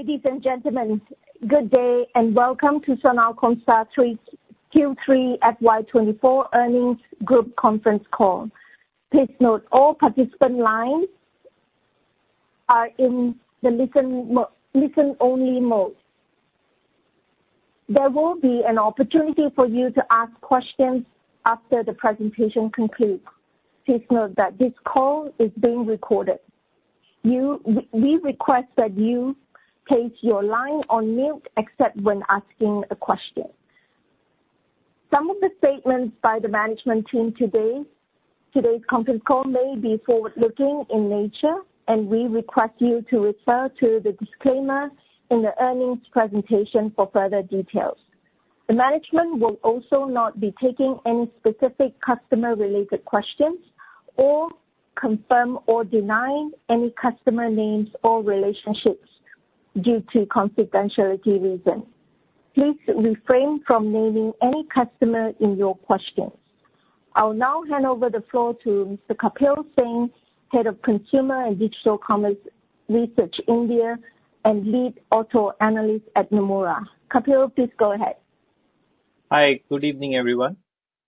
Ladies and gentlemen, good day and welcome to Sona Comstar Q3 FY24 Earnings Group Conference Call. Please note, all participant lines are in the listen-only mode. There will be an opportunity for you to ask questions after the presentation concludes. Please note that this call is being recorded. We request that you place your line on mute except when asking a question. Some of the statements by the management team today, today's conference call may be forward-looking in nature, and we request you to refer to the disclaimer in the earnings presentation for further details. The management will also not be taking any specific customer-related questions or confirm or deny any customer names or relationships due to confidentiality reasons. Please refrain from naming any customer in your questions. I'll now hand over the floor to Mr. Kapil Singh, Head of Consumer and Digital Commerce Research, India, and Lead Auto Analyst at Nomura. Kapil, please go ahead. Hi, good evening, everyone.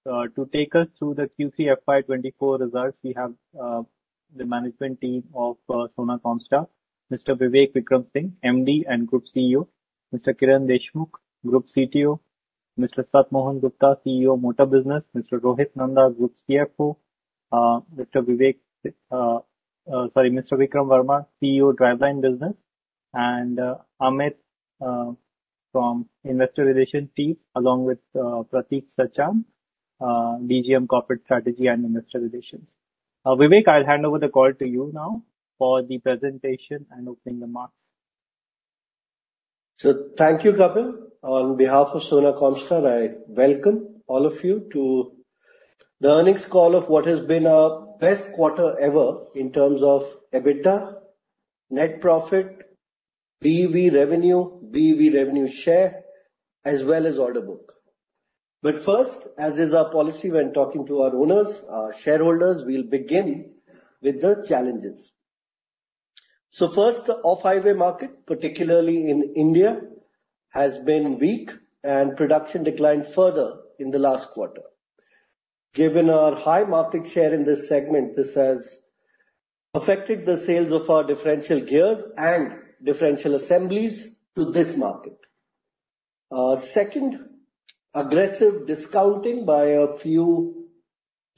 To take us through the Q3 FY24 results, we have the management team of Sona Comstar, Mr. Vivek Vikram Singh, MD and Group CEO, Mr. Kiran Deshmukh, Group CTO, Mr. Sat Mohan Gupta, CEO, Motor Business, Mr. Rohit Nanda, Group CFO, sorry, Mr. Vikram Verma, CEO, Driveline Business, and Amit from Investor Relations team, along with Pratik Sachan, DGM, Corporate Strategy and Investor Relations. Vivek, I'll hand over the call to you now for the presentation and open the marks. So thank you, Kapil. On behalf of Sona Comstar, I welcome all of you to the earnings call of what has been our best quarter ever in terms of EBITDA, net profit, BEV revenue, BEV revenue share, as well as order book. But first, as is our policy when talking to our owners, our shareholders, we'll begin with the challenges. So first, the off-highway market, particularly in India, has been weak and production declined further in the last quarter. Given our high market share in this segment, this has affected the sales of our differential gears and differential assemblies to this market. Second, aggressive discounting by a few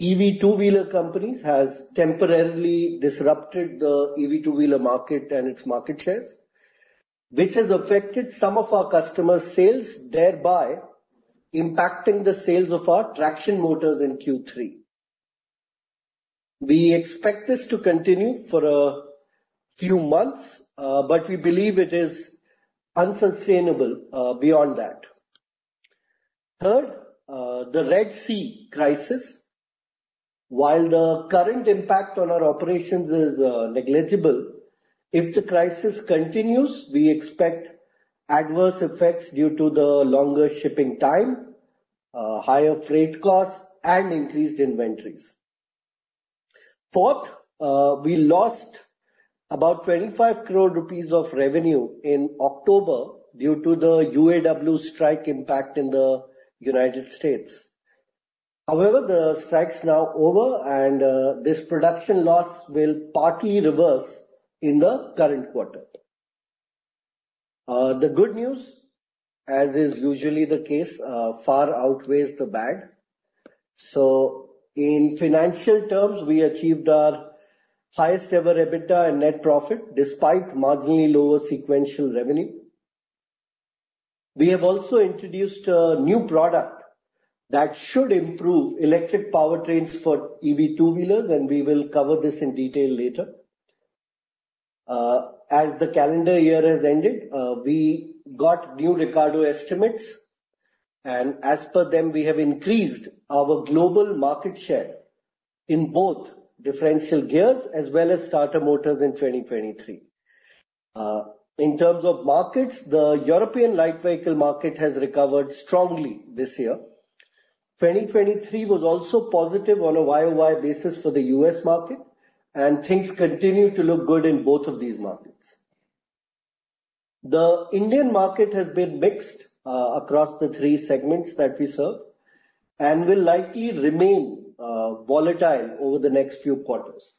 EV two-wheeler companies has temporarily disrupted the EV two-wheeler market and its market shares, which has affected some of our customers' sales, thereby impacting the sales of our traction motors in Q3. We expect this to continue for a few months, but we believe it is unsustainable, beyond that. Third, the Red Sea Crisis. While the current impact on our operations is, negligible, if the crisis continues, we expect adverse effects due to the longer shipping time, higher freight costs, and increased inventories. Fourth, we lost about 25 crore rupees of revenue in October due to the UAW strike impact in the United States. However, the strike's now over, and, this production loss will partly reverse in the current quarter. The good news, as is usually the case, far outweighs the bad. So in financial terms, we achieved our highest ever EBITDA and net profit, despite marginally lower sequential revenue. We have also introduced a new product that should improve electric powertrains for EV two-wheelers, and we will cover this in detail later. As the calendar year has ended, we got new Ricardo estimates, and as per them, we have increased our global market share in both differential gears as well as starter motors in 2023. In terms of markets, the European light vehicle market has recovered strongly this year. 2023 was also positive on a YOY basis for the U.S. market, and things continue to look good in both of these markets. The Indian market has been mixed across the three segments that we serve and will likely remain volatile over the next few quarters.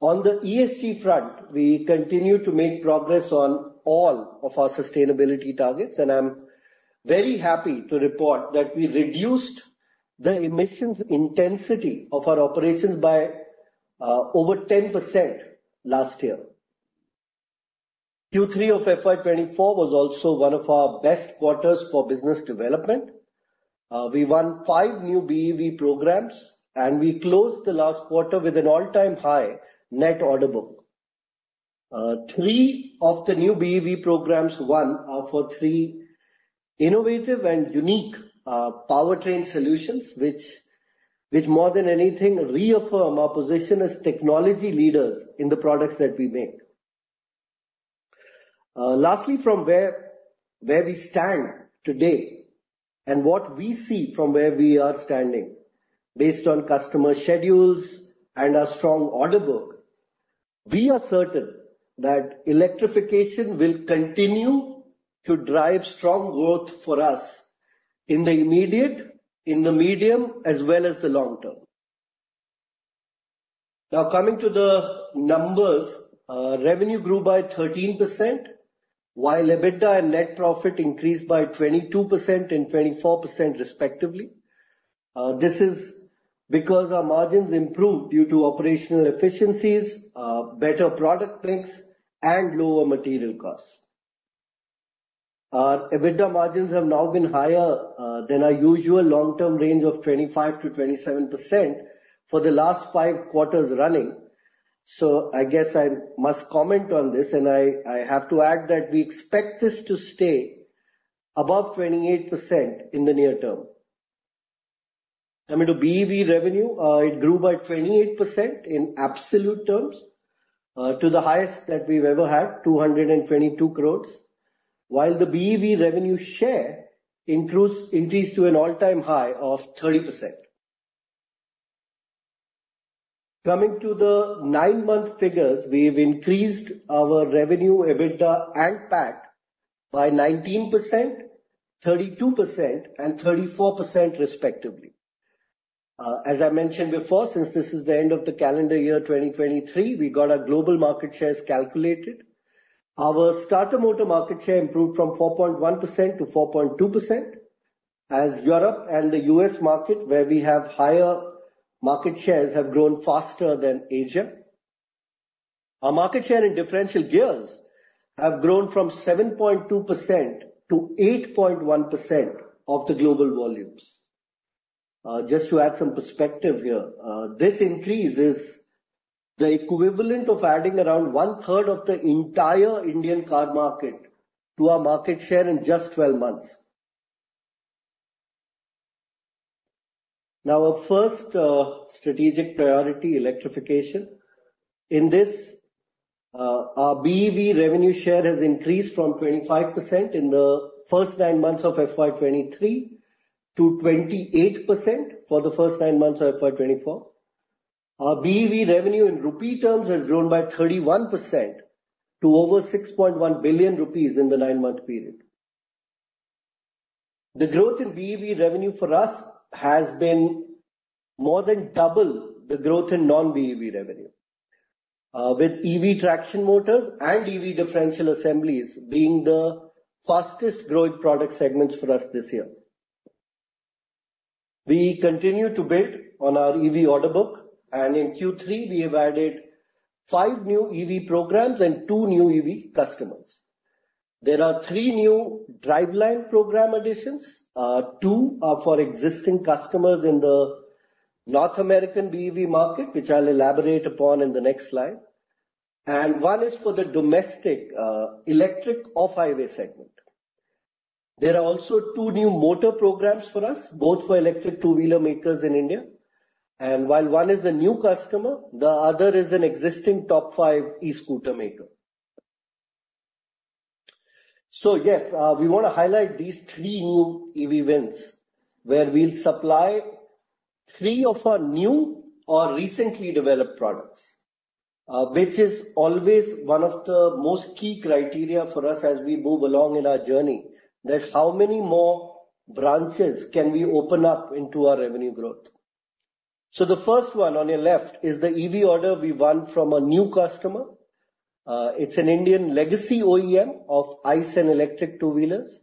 On the ESG front, we continue to make progress on all of our sustainability targets, and I'm very happy to report that we reduced the emissions intensity of our operations by over 10% last year. Q3 of FY 2024 was also one of our best quarters for business development. We won 5 new BEV programs, and we closed the last quarter with an all-time high net order book. Three of the new BEV programs won are for three innovative and unique powertrain solutions, which more than anything reaffirm our position as technology leaders in the products that we make. Lastly, from where we stand today and what we see from where we are standing, based on customer schedules and our strong order book, we are certain that electrification will continue to drive strong growth for us in the immediate, in the medium, as well as the long term. Now, coming to the numbers, revenue grew by 13%, while EBITDA and net profit increased by 22% and 24%, respectively. This is because our margins improved due to operational efficiencies, better product mix, and lower material costs. Our EBITDA margins have now been higher than our usual long-term range of 25%-27% for the last five quarters running. So I guess I must comment on this, and I, I have to add that we expect this to stay above 28% in the near term. Coming to BEV revenue, it grew by 28% in absolute terms to the highest that we've ever had, 222 crore, while the BEV revenue share increased to an all-time high of 30%. Coming to the nine-month figures, we've increased our revenue, EBITDA, and PAT by 19%, 32%, and 34%, respectively. As I mentioned before, since this is the end of the calendar year, 2023, we got our global market shares calculated. Our starter motor market share improved from 4.1% to 4.2%, as Europe and the U.S. market, where we have higher market shares, have grown faster than Asia. Our market share in differential gears have grown from 7.2% to 8.1% of the global volumes. Just to add some perspective here, this increase is the equivalent of adding around one third of the entire Indian car market to our market share in just 12 months. Now, our first strategic priority, electrification. In this, our BEV revenue share has increased from 25% in the first nine months of FY 2023 to 28% for the first nine months of FY 2024. Our BEV revenue in INR terms has grown by 31% to over 6.1 billion rupees in the 9-month period. The growth in BEV revenue for us has been more than double the growth in non-BEV revenue, with EV traction motors and EV differential assemblies being the fastest growing product segments for us this year. We continue to build on our EV order book, and in Q3, we have added 5 new EV programs and 2 new EV customers. There are 3 new driveline program additions. Two are for existing customers in the North American BEV market, which I'll elaborate upon in the next slide, and 1 is for the domestic, electric off-highway segment. There are also two new motor programs for us, both for electric two-wheeler makers in India, and while one is a new customer, the other is an existing top five e-scooter maker. So, yes, we want to highlight these three new EV wins, where we'll supply three of our new or recently developed products, which is always one of the most key criteria for us as we move along in our journey, that how many more branches can we open up into our revenue growth? So the first one on your left is the EV order we won from a new customer. It's an Indian legacy OEM of ICE and electric two-wheelers.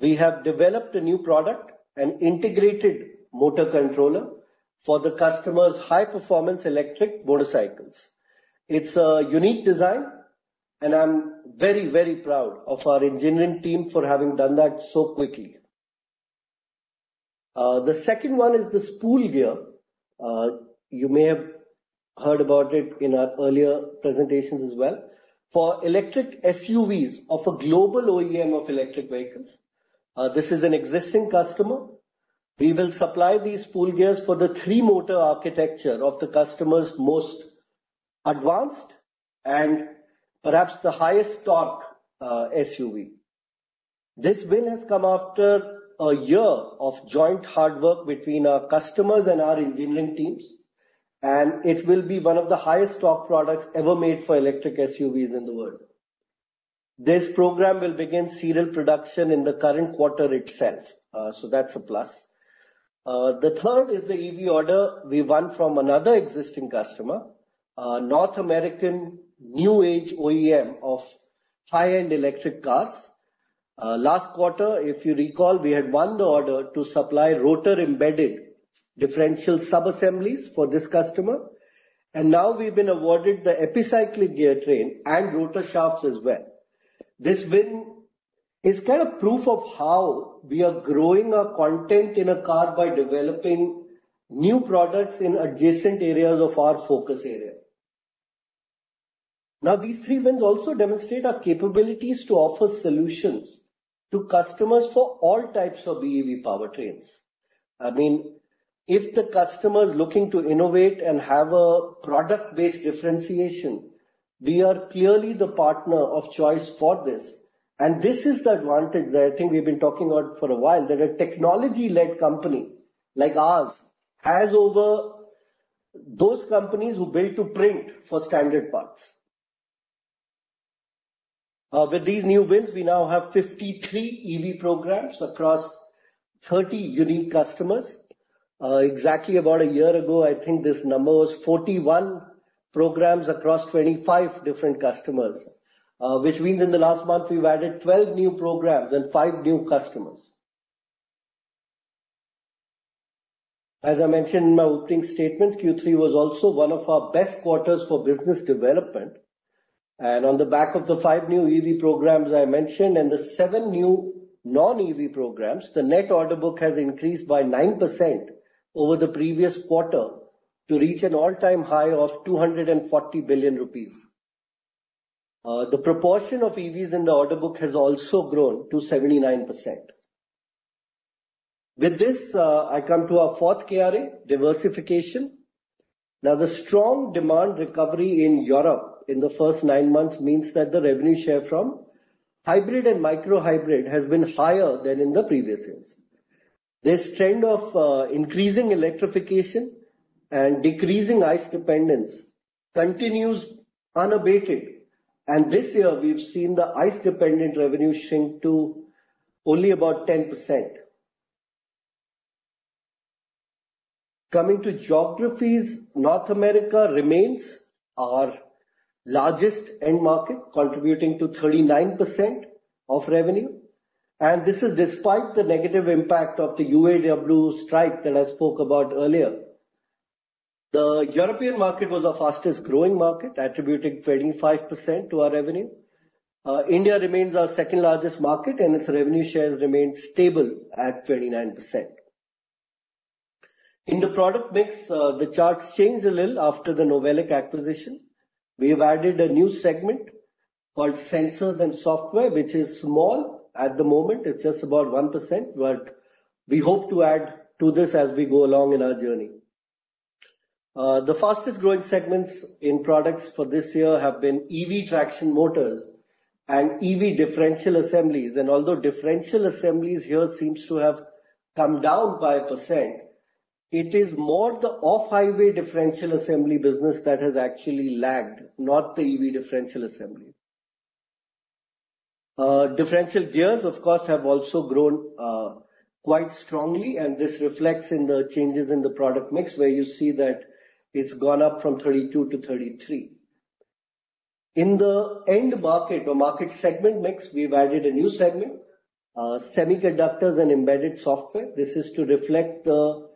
We have developed a new product, an Integrated Motor Controller, for the customer's high-performance electric motorcycles. It's a unique design, and I'm very, very proud of our engineering team for having done that so quickly. The second one is the spool gear, you may have heard about it in our earlier presentations as well, for electric SUVs of a global OEM of electric vehicles. This is an existing customer. We will supply these spool gears for the three-motor architecture of the customer's most advanced and perhaps the highest torque SUV. This win has come after a year of joint hard work between our customers and our engineering teams, and it will be one of the highest torque products ever made for electric SUVs in the world. This program will begin serial production in the current quarter itself, so that's a plus. The third is the EV order we won from another existing customer, a North American new age OEM of high-end electric cars. Last quarter, if you recall, we had won the order to supply rotor-embedded differential subassemblies for this customer, and now we've been awarded the epicyclic gear train and rotor shafts as well. This win is kind of proof of how we are growing our content in a car by developing new products in adjacent areas of our focus area. Now, these three wins also demonstrate our capabilities to offer solutions to customers for all types of BEV powertrains. I mean, if the customer is looking to innovate and have a product-based differentiation... We are clearly the partner of choice for this, and this is the advantage that I think we've been talking about for a while, that a technology-led company like ours has over those companies who build to print for standard parts. With these new wins, we now have 53 EV programs across 30 unique customers. Exactly about a year ago, I think this number was 41 programs across 25 different customers. Which means in the last month we've added 12 new programs and five new customers. As I mentioned in my opening statement, Q3 was also one of our best quarters for business development, and on the back of the five new EV programs I mentioned and the seven new non-EV programs, the net order book has increased by 9% over the previous quarter, to reach an all-time high of 240 billion rupees. The proportion of EVs in the order book has also grown to 79%. With this, I come to our fourth KRA, diversification. Now, the strong demand recovery in Europe in the first nine months means that the revenue share from hybrid and micro hybrid has been higher than in the previous years. This trend of increasing electrification and decreasing ICE dependence continues unabated, and this year we've seen the ICE-dependent revenue shrink to only about 10%. Coming to geographies, North America remains our largest end market, contributing to 39% of revenue, and this is despite the negative impact of the UAW strike that I spoke about earlier. The European market was our fastest growing market, attributing 25% to our revenue. India remains our second largest market, and its revenue share has remained stable at 29%. In the product mix, the charts changed a little after the NOVELIC acquisition. We have added a new segment called Sensors and Software, which is small at the moment. It's just about 1%, but we hope to add to this as we go along in our journey. The fastest growing segments in products for this year have been EV traction motors and EV differential assemblies. Although differential assemblies here seems to have come down by 1%, it is more the off-highway differential assembly business that has actually lagged, not the EV differential assembly. Differential gears, of course, have also grown quite strongly, and this reflects in the changes in the product mix, where you see that it's gone up from 32% to 33%. In the end market, or market segment mix, we've added a new segment, Semiconductors and Embedded Software. This is to reflect the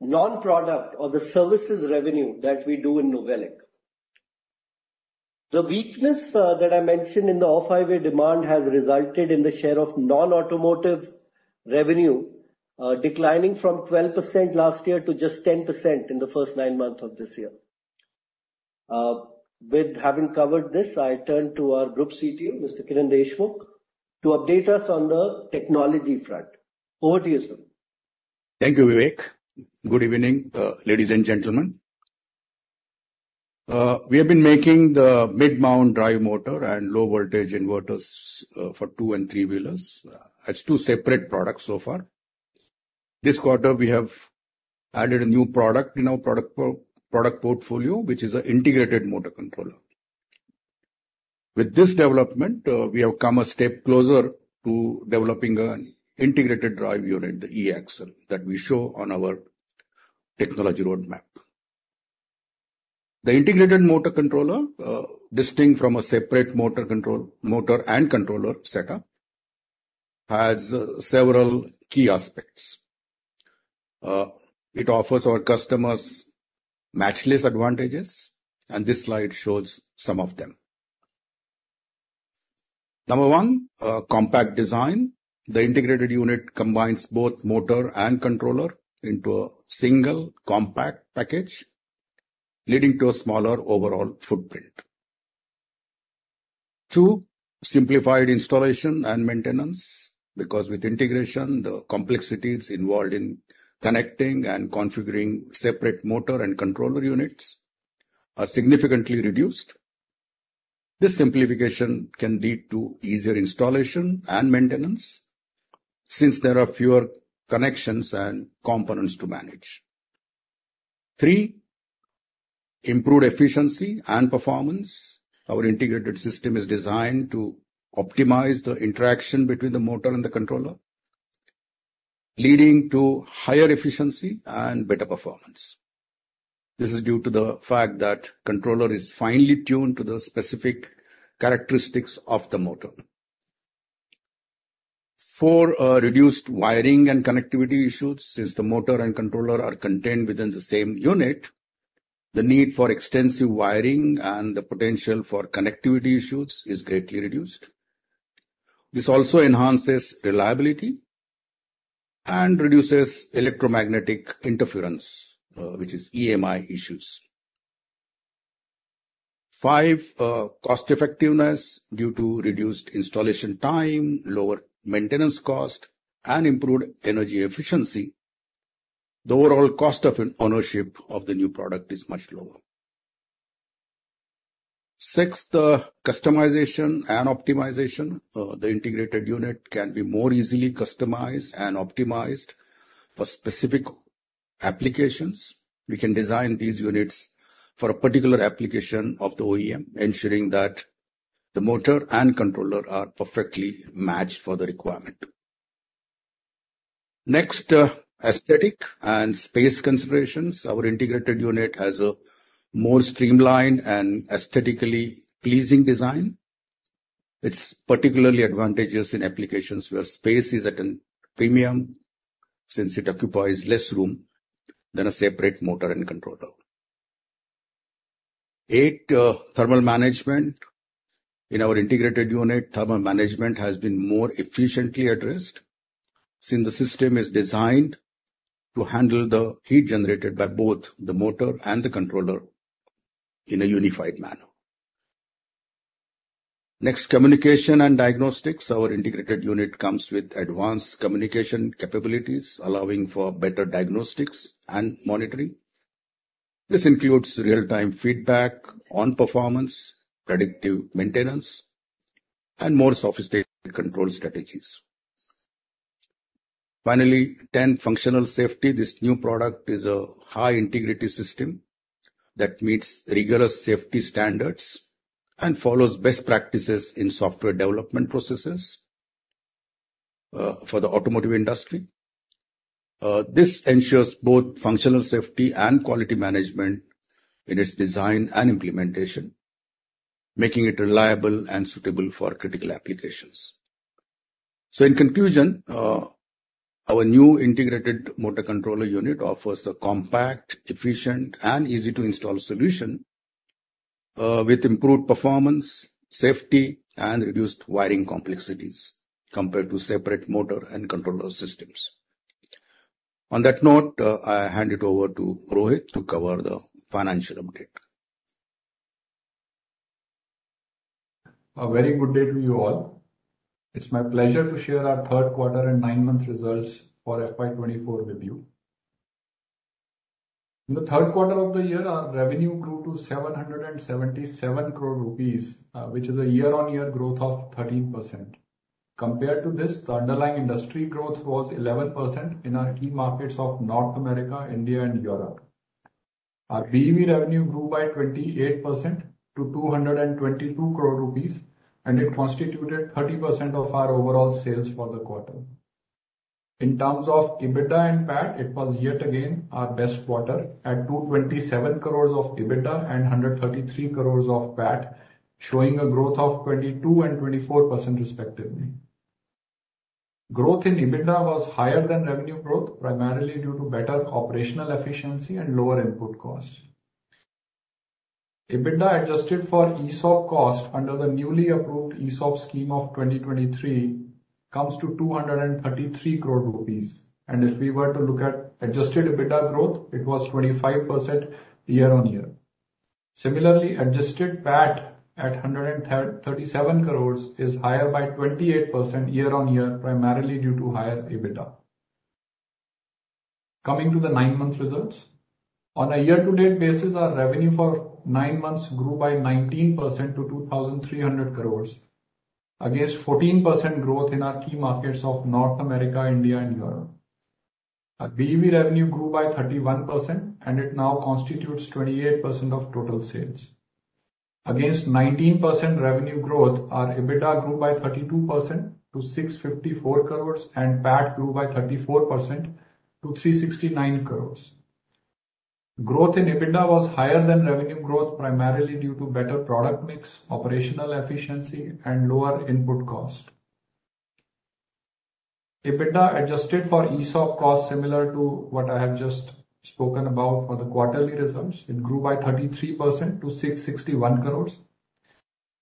non-product or the services revenue that we do in NOVELIC. The weakness that I mentioned in the off-highway demand has resulted in the share of non-automotive revenue declining from 12% last year to just 10% in the first nine months of this year. With having covered this, I turn to our Group CTO, Mr. Kiran Deshmukh, to update us on the technology front. Over to you, sir. Thank you, Vivek. Good evening, ladies and gentlemen. We have been making the mid-mount drive motor and low-voltage inverters for two and three-wheelers as two separate products so far. This quarter, we have added a new product in our product portfolio, which is an Integrated Motor Controller. With this development, we have come a step closer to developing an integrated drive unit, the E-Axle, that we show on our technology roadmap. The Integrated Motor Controller, distinct from a separate motor and controller setup, has several key aspects. It offers our customers matchless advantages, and this slide shows some of them. Number one, compact design. The integrated unit combines both motor and controller into a single compact package, leading to a smaller overall footprint. Two, simplified installation and maintenance, because with integration, the complexities involved in connecting and configuring separate motor and controller units are significantly reduced. This simplification can lead to easier installation and maintenance since there are fewer connections and components to manage. Three, improved efficiency and performance. Our integrated system is designed to optimize the interaction between the motor and the controller, leading to higher efficiency and better performance. This is due to the fact that controller is finely tuned to the specific characteristics of the motor. Four, reduced wiring and connectivity issues. Since the motor and controller are contained within the same unit, the need for extensive wiring and the potential for connectivity issues is greatly reduced. This also enhances reliability and reduces electromagnetic interference, which is EMI issues. Five, cost effectiveness due to reduced installation time, lower maintenance cost, and improved energy efficiency.... The overall cost of ownership of the new product is much lower. Sixth, customization and optimization. The integrated unit can be more easily customized and optimized for specific applications. We can design these units for a particular application of the OEM, ensuring that the motor and controller are perfectly matched for the requirement. Next, aesthetic and space considerations. Our integrated unit has a more streamlined and aesthetically pleasing design. It's particularly advantageous in applications where space is at a premium, since it occupies less room than a separate motor and controller. Eight, thermal management. In our integrated unit, thermal management has been more efficiently addressed, since the system is designed to handle the heat generated by both the motor and the controller in a unified manner. Next, communication and diagnostics. Our integrated unit comes with advanced communication capabilities, allowing for better diagnostics and monitoring. This includes real-time feedback on performance, predictive maintenance, and more sophisticated control strategies. Finally, ten, functional safety. This new product is a high integrity system that meets rigorous safety standards and follows best practices in software development processes, for the automotive industry. This ensures both functional safety and quality management in its design and implementation, making it reliable and suitable for critical applications. So in conclusion, our new integrated motor controller unit offers a compact, efficient, and easy-to-install solution, with improved performance, safety, and reduced wiring complexities compared to separate motor and controller systems. On that note, I hand it over to Rohit to cover the financial update. A very good day to you all. It's my pleasure to share our third quarter and 9-month results for FY 2024 with you. In the third quarter of the year, our revenue grew to 777 crore rupees, which is a year-on-year growth of 13%. Compared to this, the underlying industry growth was 11% in our key markets of North America, India, and Europe. Our BEV revenue grew by 28% to 222 crore rupees, and it constituted 30% of our overall sales for the quarter. In terms of EBITDA and PAT, it was yet again our best quarter at 227 crore of EBITDA and 133 crore of PAT, showing a growth of 22% and 24% respectively. Growth in EBITDA was higher than revenue growth, primarily due to better operational efficiency and lower input costs. EBITDA, adjusted for ESOP cost under the newly approved ESOP scheme of 2023, comes to 233 crore rupees, and if we were to look at adjusted EBITDA growth, it was 25% year-over-year. Similarly, adjusted PAT at 137 crore, is higher by 28% year-over-year, primarily due to higher EBITDA. Coming to the nine-month results. On a year-to-date basis, our revenue for nine months grew by 19% to 2,300 crore, against 14% growth in our key markets of North America, India and Europe. Our BEV revenue grew by 31%, and it now constitutes 28% of total sales. Against 19% revenue growth, our EBITDA grew by 32% to 654 crore, and PAT grew by 34% to 369 crore. Growth in EBITDA was higher than revenue growth, primarily due to better product mix, operational efficiency, and lower input cost. EBITDA, adjusted for ESOP cost, similar to what I have just spoken about for the quarterly results, it grew by 33% to 661 crore.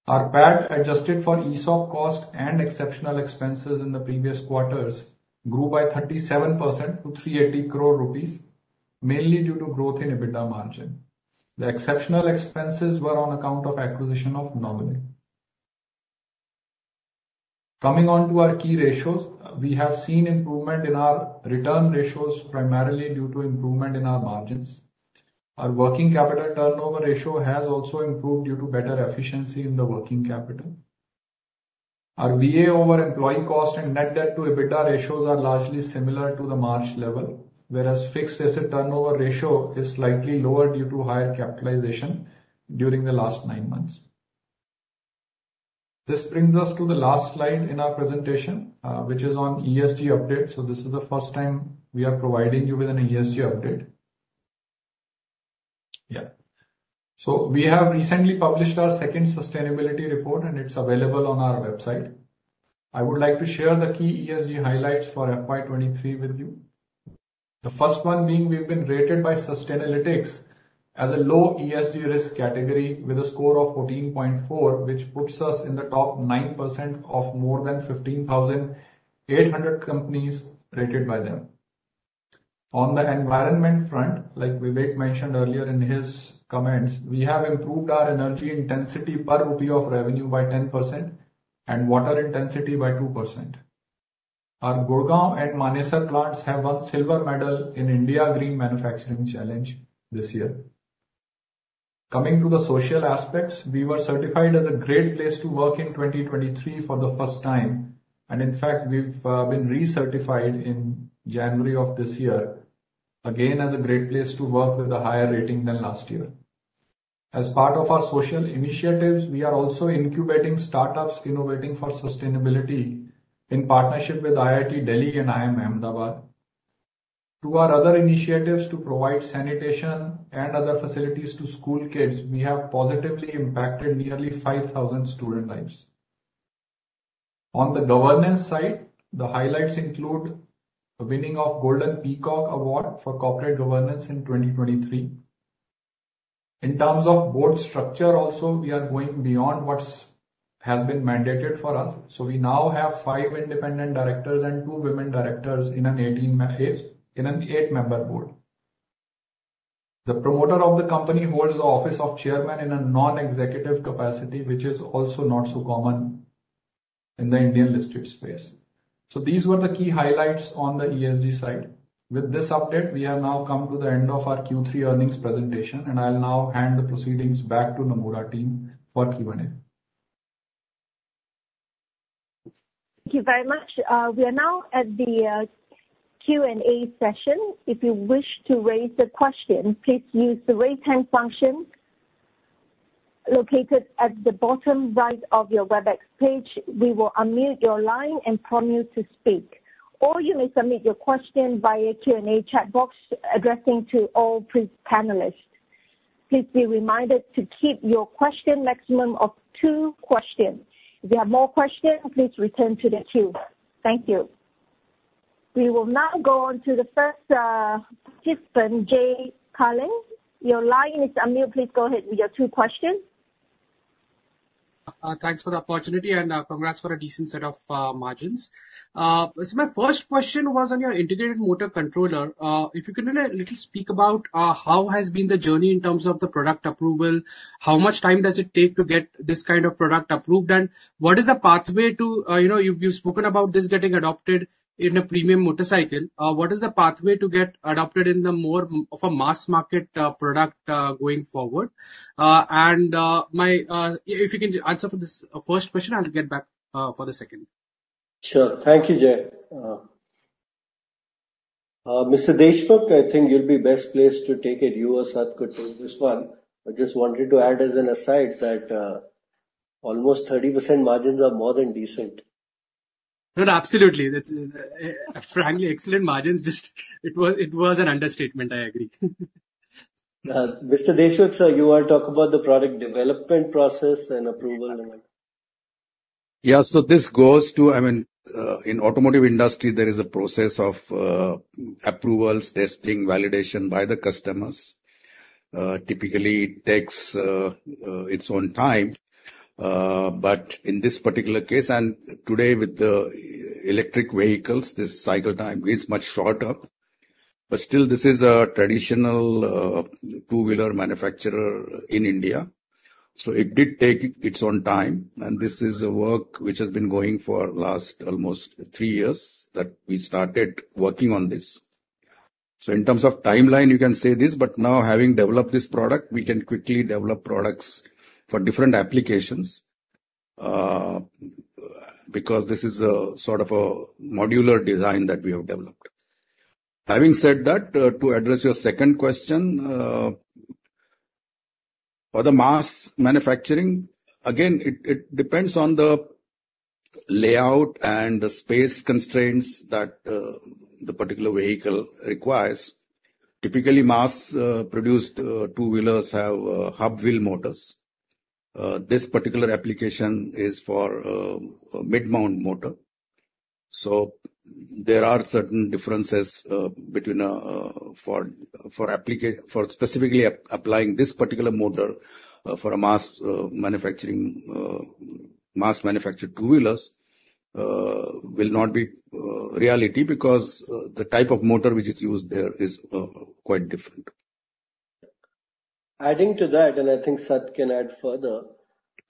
Our PAT, adjusted for ESOP cost and exceptional expenses in the previous quarters, grew by 37% to 380 crore rupees, mainly due to growth in EBITDA margin. The exceptional expenses were on account of acquisition of NovelIC. Coming on to our key ratios, we have seen improvement in our return ratios, primarily due to improvement in our margins. Our working capital turnover ratio has also improved due to better efficiency in the working capital. Our VA over employee cost and net debt to EBITDA ratios are largely similar to the March level, whereas fixed asset turnover ratio is slightly lower due to higher capitalization during the last nine months. This brings us to the last slide in our presentation, which is on ESG update. So this is the first time we are providing you with an ESG update. Yeah. So we have recently published our second sustainability report, and it's available on our website. I would like to share the key ESG highlights for FY 23 with you. The first one being we've been rated by Sustainalytics as a low ESG risk category, with a score of 14.4, which puts us in the top 9% of more than 15,800 companies rated by them. On the environment front, like Vivek mentioned earlier in his comments, we have improved our energy intensity per rupee of revenue by 10%... and water intensity by 2%. Our Gurgaon and Manesar plants have won silver medal in India Green Manufacturing Challenge this year. Coming to the social aspects, we were certified as a Great Place to Work in 2023 for the first time, and in fact, we've been recertified in January of this year, again, as a Great Place to Work with a higher rating than last year. As part of our social initiatives, we are also incubating startups innovating for sustainability in partnership with IIT Delhi and IIM Ahmedabad. To our other initiatives to provide sanitation and other facilities to school kids, we have positively impacted nearly 5,000 student lives. On the governance side, the highlights include winning of Golden Peacock Award for corporate governance in 2023. In terms of board structure also, we are going beyond what has been mandated for us, so we now have five independent directors and two women directors in an eight-member board. The promoter of the company holds the office of chairman in a non-executive capacity, which is also not so common in the Indian listed space. So these were the key highlights on the ESG side. With this update, we have now come to the end of our Q3 earnings presentation, and I'll now hand the proceedings back to Nomura team for Q&A. Thank you very much. We are now at the Q&A session. If you wish to raise a question, please use the Raise Hand function located at the bottom right of your Webex page. We will unmute your line and prompt you to speak, or you may submit your question via Q&A chat box addressing to all panelists. Please be reminded to keep your question maximum of two questions. If you have more questions, please return to the queue. Thank you. We will now go on to the first participant, Jay Kale. Your line is unmuted. Please go ahead with your two questions. Thanks for the opportunity, and, congrats for a decent set of, margins. So my first question was on your Integrated Motor Controller. If you can a little speak about, how has been the journey in terms of the product approval? How much time does it take to get this kind of product approved, and what is the pathway to... You know, you've spoken about this getting adopted in a premium motorcycle. What is the pathway to get adopted in the more of a mass market, product, going forward? And, my... If you can answer for this first question, I'll get back, for the second. Sure. Thank you, Jay. Mr. Deshmukh, I think you'll be best placed to take it. You or Sat could take this one. I just wanted to add as an aside that almost 30% margins are more than decent. No, absolutely. That's frankly excellent margins. Just, it was an understatement, I agree. Mr. Deshmukh, sir, you want to talk about the product development process and approval? Yeah. So this goes to, I mean, in automotive industry, there is a process of approvals, testing, validation by the customers. Typically, it takes its own time, but in this particular case, and today with the electric vehicles, this cycle time is much shorter. But still, this is a traditional two-wheeler manufacturer in India, so it did take its own time, and this is a work which has been going for last almost three years that we started working on this. So in terms of timeline, you can say this, but now, having developed this product, we can quickly develop products for different applications, because this is a sort of a modular design that we have developed. Having said that, to address your second question, for the mass manufacturing, again, it depends on the layout and the space constraints that the particular vehicle requires. Typically, mass produced two-wheelers have hub-wheel motors. This particular application is for a mid-mount motor, so there are certain differences between for specifically applying this particular motor for a mass manufacturing mass manufactured two-wheelers will not be reality because the type of motor which is used there is quite different. Adding to that, and I think Sat can add further,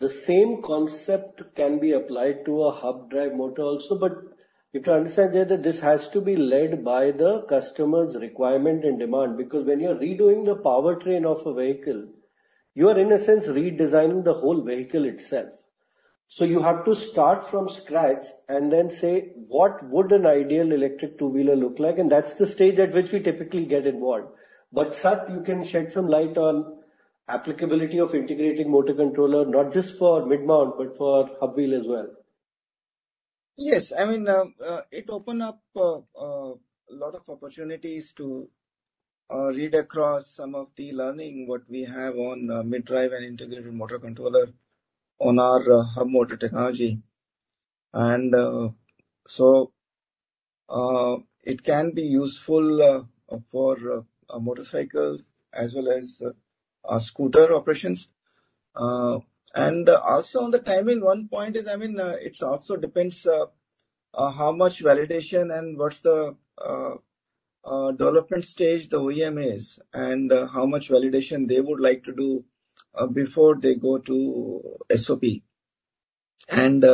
the same concept can be applied to a hub drive motor also, but you have to understand here that this has to be led by the customer's requirement and demand, because when you are redoing the powertrain of a vehicle, you are, in a sense, redesigning the whole vehicle itself. So you have to start from scratch and then say: What would an ideal electric two-wheeler look like? And that's the stage at which we typically get involved. But, Sat, you can shed some light on applicability of integrating motor controller, not just for mid-mount, but for hub-wheel as well. Yes. I mean, it open up lot of opportunities to read across some of the learning, what we have on the mid-drive and Integrated Motor Controller on our hub motor technology. And so, it can be useful for motorcycle as well as scooter operations. And also on the timing, one point is, I mean, it also depends how much validation and what's the-... development stage, the OEM is, and how much validation they would like to do before they go to SOP. And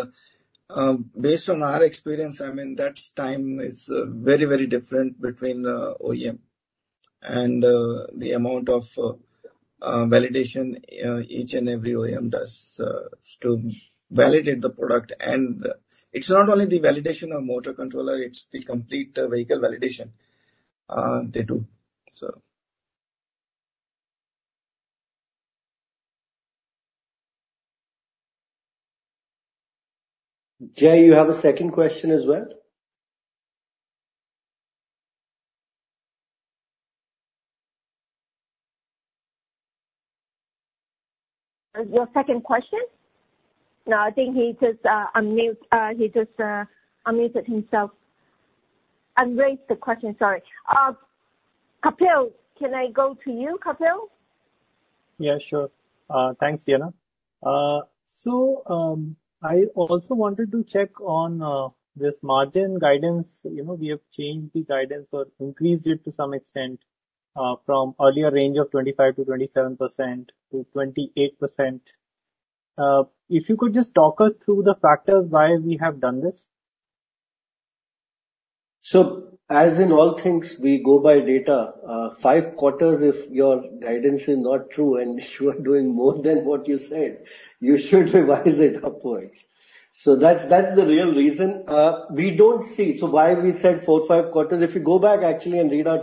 based on our experience, I mean, that time is very, very different between OEM and the amount of validation each and every OEM does to validate the product. And it's not only the validation of motor controller, it's the complete vehicle validation they do, so. Jay, you have a second question as well? Your second question? No, I think he just unmuted himself. Unraised the question. Sorry. Kapil, can I go to you, Kapil? Yeah, sure. Thanks, Diana. So, I also wanted to check on this margin guidance. You know, we have changed the guidance or increased it to some extent from earlier range of 25%-27% to 28%. If you could just talk us through the factors why we have done this. So, as in all things, we go by data. Five quarters, if your guidance is not true and you are doing more than what you said, you should revise it upwards. So that's, that's the real reason. We don't see. So why we said four, five quarters, if you go back actually and read our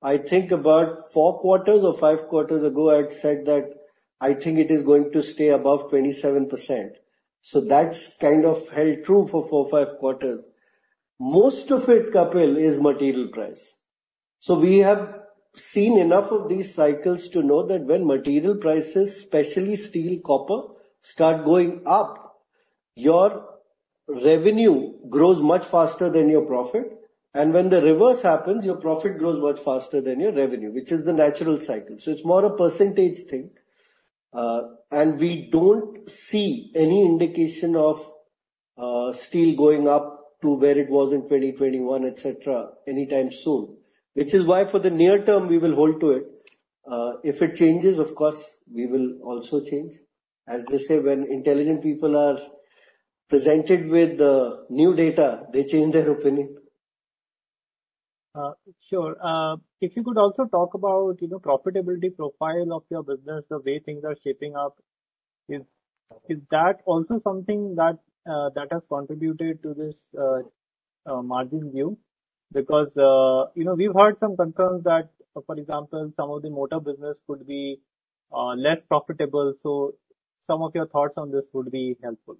transcript, I think about four quarters or five quarters ago, I had said that I think it is going to stay above 27%. So that's kind of held true for four, five quarters. Most of it, Kapil, is material price. So we have seen enough of these cycles to know that when material prices, especially steel, copper, start going up, your revenue grows much faster than your profit. And when the reverse happens, your profit grows much faster than your revenue, which is the natural cycle. So it's more a percentage thing. We don't see any indication of steel going up to where it was in 2021, et cetera, anytime soon, which is why for the near term, we will hold to it. If it changes, of course, we will also change. As they say, when intelligent people are presented with new data, they change their opinion. Sure. If you could also talk about, you know, profitability profile of your business, the way things are shaping up, is, is that also something that, that has contributed to this, margin view? Because, you know, we've heard some concerns that, for example, some of the motor business could be, less profitable. So some of your thoughts on this would be helpful.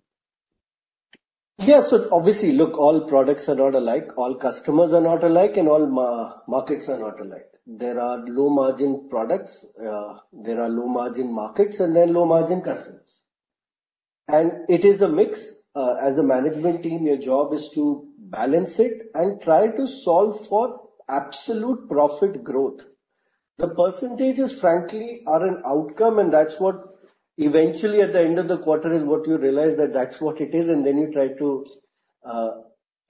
Yeah. So obviously, look, all products are not alike, all customers are not alike, and all markets are not alike. There are low-margin products, there are low-margin markets, and there are low-margin customers. And it is a mix. As a management team, your job is to balance it and try to solve for absolute profit growth. The percentages, frankly, are an outcome, and that's what eventually, at the end of the quarter, is what you realize, that that's what it is, and then you try to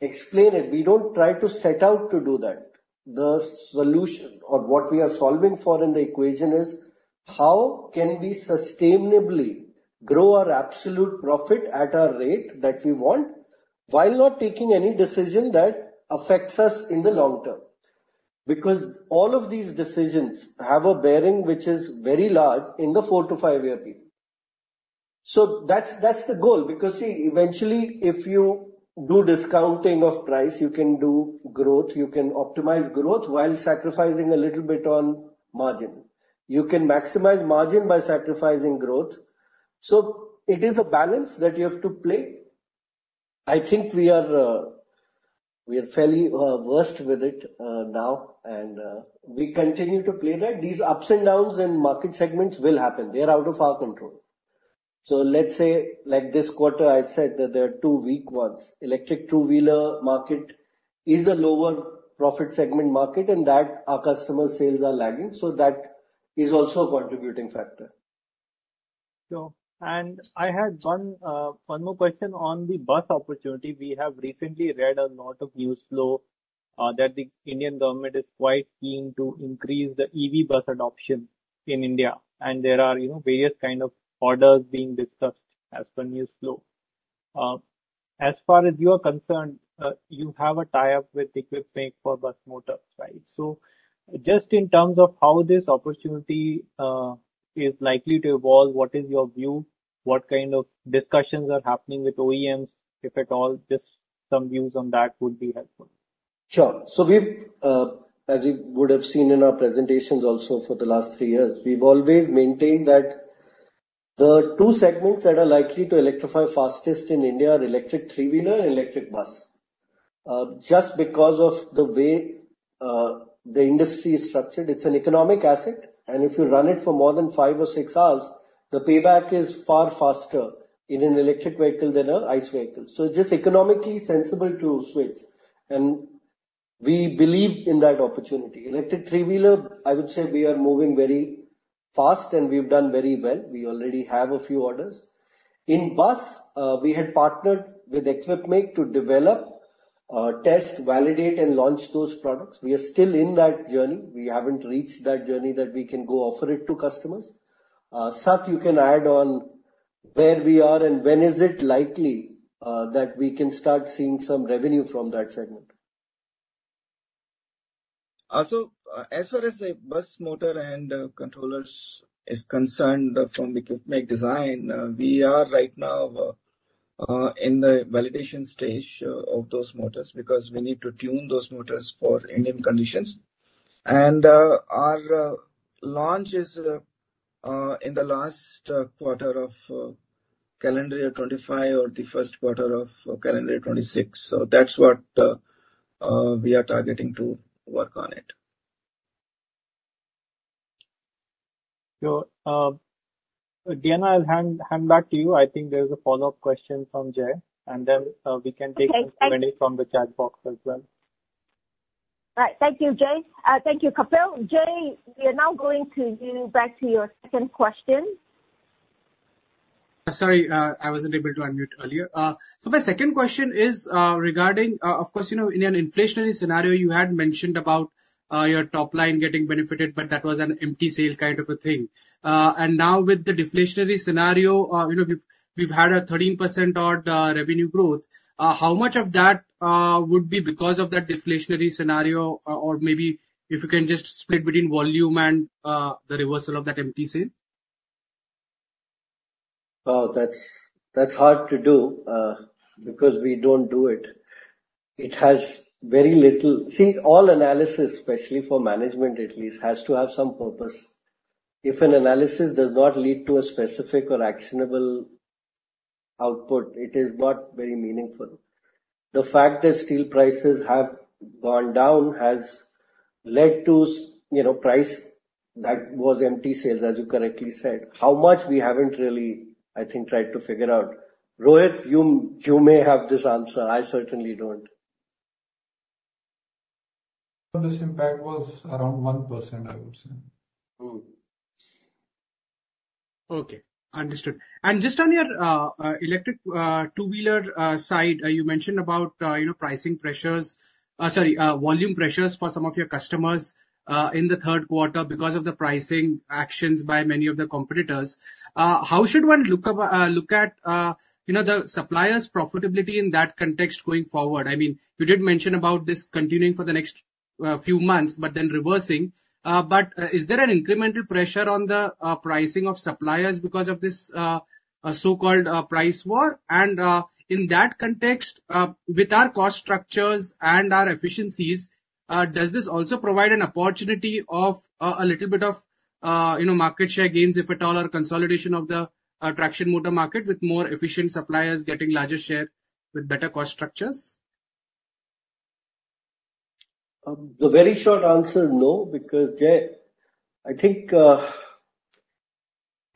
explain it. We don't try to set out to do that. The solution or what we are solving for in the equation is, how can we sustainably grow our absolute profit at a rate that we want, while not taking any decision that affects us in the long term? Because all of these decisions have a bearing, which is very large in the 4-5-year period. So that's, that's the goal, because, see, eventually, if you do discounting of price, you can do growth, you can optimize growth while sacrificing a little bit on margin. You can maximize margin by sacrificing growth. So it is a balance that you have to play. I think we are, we are fairly, versed with it, now, and, we continue to play that. These ups and downs in market segments will happen. They are out of our control. So let's say, like this quarter, I said that there are two weak ones. Electric two-wheeler market is a lower profit segment market, and that our customer sales are lagging, so that is also a contributing factor. Sure. I had one, one more question on the bus opportunity. We have recently read a lot of news flow, that the Indian government is quite keen to increase the EV bus adoption in India, and there are, you know, various kind of orders being discussed as per news flow. As far as you are concerned, you have a tie-up with Equipmake for bus motors, right? So just in terms of how this opportunity, is likely to evolve, what is your view? What kind of discussions are happening with OEMs, if at all, just some views on that would be helpful. Sure. So we've, as you would have seen in our presentations also for the last three years, we've always maintained that the two segments that are likely to electrify fastest in India are electric three-wheeler and electric bus. Just because of the way, the industry is structured, it's an economic asset, and if you run it for more than five or six hours, the payback is far faster in an electric vehicle than an ICE vehicle. So it's just economically sensible to switch, and we believe in that opportunity. Electric three-wheeler, I would say we are moving very fast, and we've done very well. We already have a few orders. In bus, we had partnered with Equipmake to develop, test, validate, and launch those products. We are still in that journey. We haven't reached that journey that we can go offer it to customers. Sat, you can add on where we are and when is it likely that we can start seeing some revenue from that segment? So as far as the bus motor and controllers is concerned from the equipment design, we are right now in the validation stage of those motors, because we need to tune those motors for Indian conditions. And our launch is in the last quarter of calendar year 2025 or the first quarter of calendar year 2026. So that's what we are targeting to work on it. Sure. Diana, I'll hand back to you. I think there's a follow-up question from Jay, and then, we can take- Okay, thank- Many from the chat box as well. All right. Thank you, Jay. Thank you, Kapil. Jay, we are now going to you, back to your second question. Sorry, I wasn't able to unmute earlier. So my second question is, regarding, of course, you know, in an inflationary scenario, you had mentioned about, your top line getting benefited, but that was an empty sale kind of a thing. And now with the deflationary scenario, you know, we've, we've had a 13% odd, revenue growth. How much of that, would be because of that deflationary scenario? Or, or maybe if you can just split between volume and, the reversal of that MTC sale. That's hard to do, because we don't do it. It has very little... See, all analysis, especially for management at least, has to have some purpose. If an analysis does not lead to a specific or actionable output, it is not very meaningful. The fact that steel prices have gone down has led to, you know, price erosion in sales, as you correctly said. How much, we haven't really, I think, tried to figure out. Rohit, you may have this answer. I certainly don't. This impact was around 1%, I would say. Okay, understood. And just on your electric two-wheeler side, you mentioned about, you know, pricing pressures, sorry, volume pressures for some of your customers in the third quarter because of the pricing actions by many of the competitors. How should one look at, you know, the suppliers' profitability in that context going forward? I mean, you did mention about this continuing for the next few months, but then reversing. But is there an incremental pressure on the pricing of suppliers because of this so-called price war? In that context, with our cost structures and our efficiencies, does this also provide an opportunity of a little bit of, you know, market share gains if at all, or consolidation of the traction motor market with more efficient suppliers getting larger share with better cost structures? The very short answer is no, because, Jay, I think, there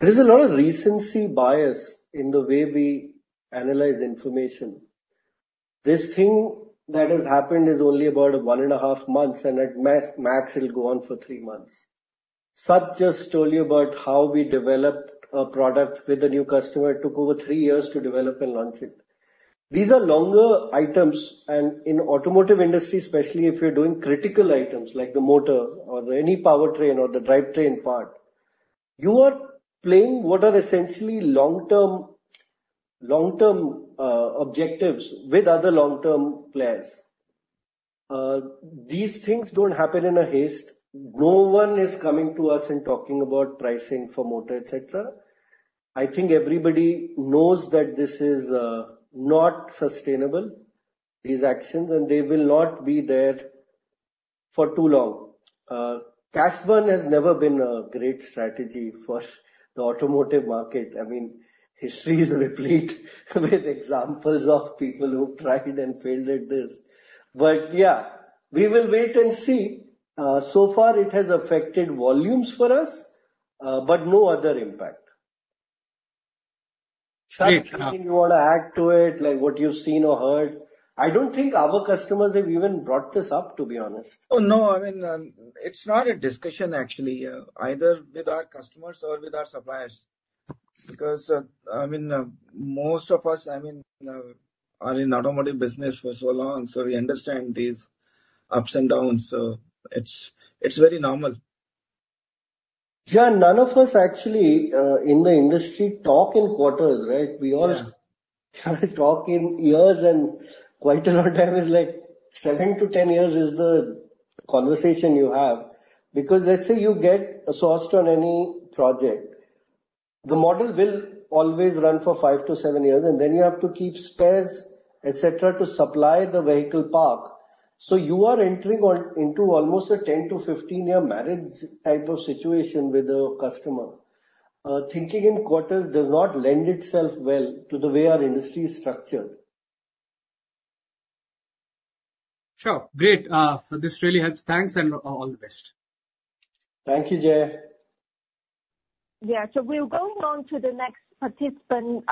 is a lot of recency bias in the way we analyze information. This thing that has happened is only about one and a half months, and at max, it'll go on for three months. Sat just told you about how we developed a product with a new customer. It took over three years to develop and launch it. These are longer items, and in automotive industry, especially if you're doing critical items like the motor or any powertrain or the drivetrain part, you are playing what are essentially long-term, long-term, objectives with other long-term players. These things don't happen in a haste. No one is coming to us and talking about pricing for motor, et cetera. I think everybody knows that this is not sustainable, these actions, and they will not be there for too long. Cash burn has never been a great strategy for the automotive market. I mean, history is replete with examples of people who've tried and failed at this. But yeah, we will wait and see. So far, it has affected volumes for us, but no other impact. Great, uh- Sat, anything you want to add to it, like what you've seen or heard? I don't think our customers have even brought this up, to be honest. Oh, no. I mean, it's not a discussion actually, either with our customers or with our suppliers. Because, I mean, most of us, I mean, are in automotive business for so long, so we understand these ups and downs. So it's, it's very normal. Yeah, none of us actually in the industry talk in quarters, right? Yeah. We all talk in years, and quite a lot of time is like 7-10 years is the conversation you have. Because let's say you get a sourced on any project, the model will always run for 5-7 years, and then you have to keep spares, et cetera, to supply the vehicle park. So you are entering on, into almost a 10-15-year marriage type of situation with the customer. Thinking in quarters does not lend itself well to the way our industry is structured. Sure. Great. This really helps. Thanks, and all the best. Thank you, Jay. Yeah. So we're going on to the next participant.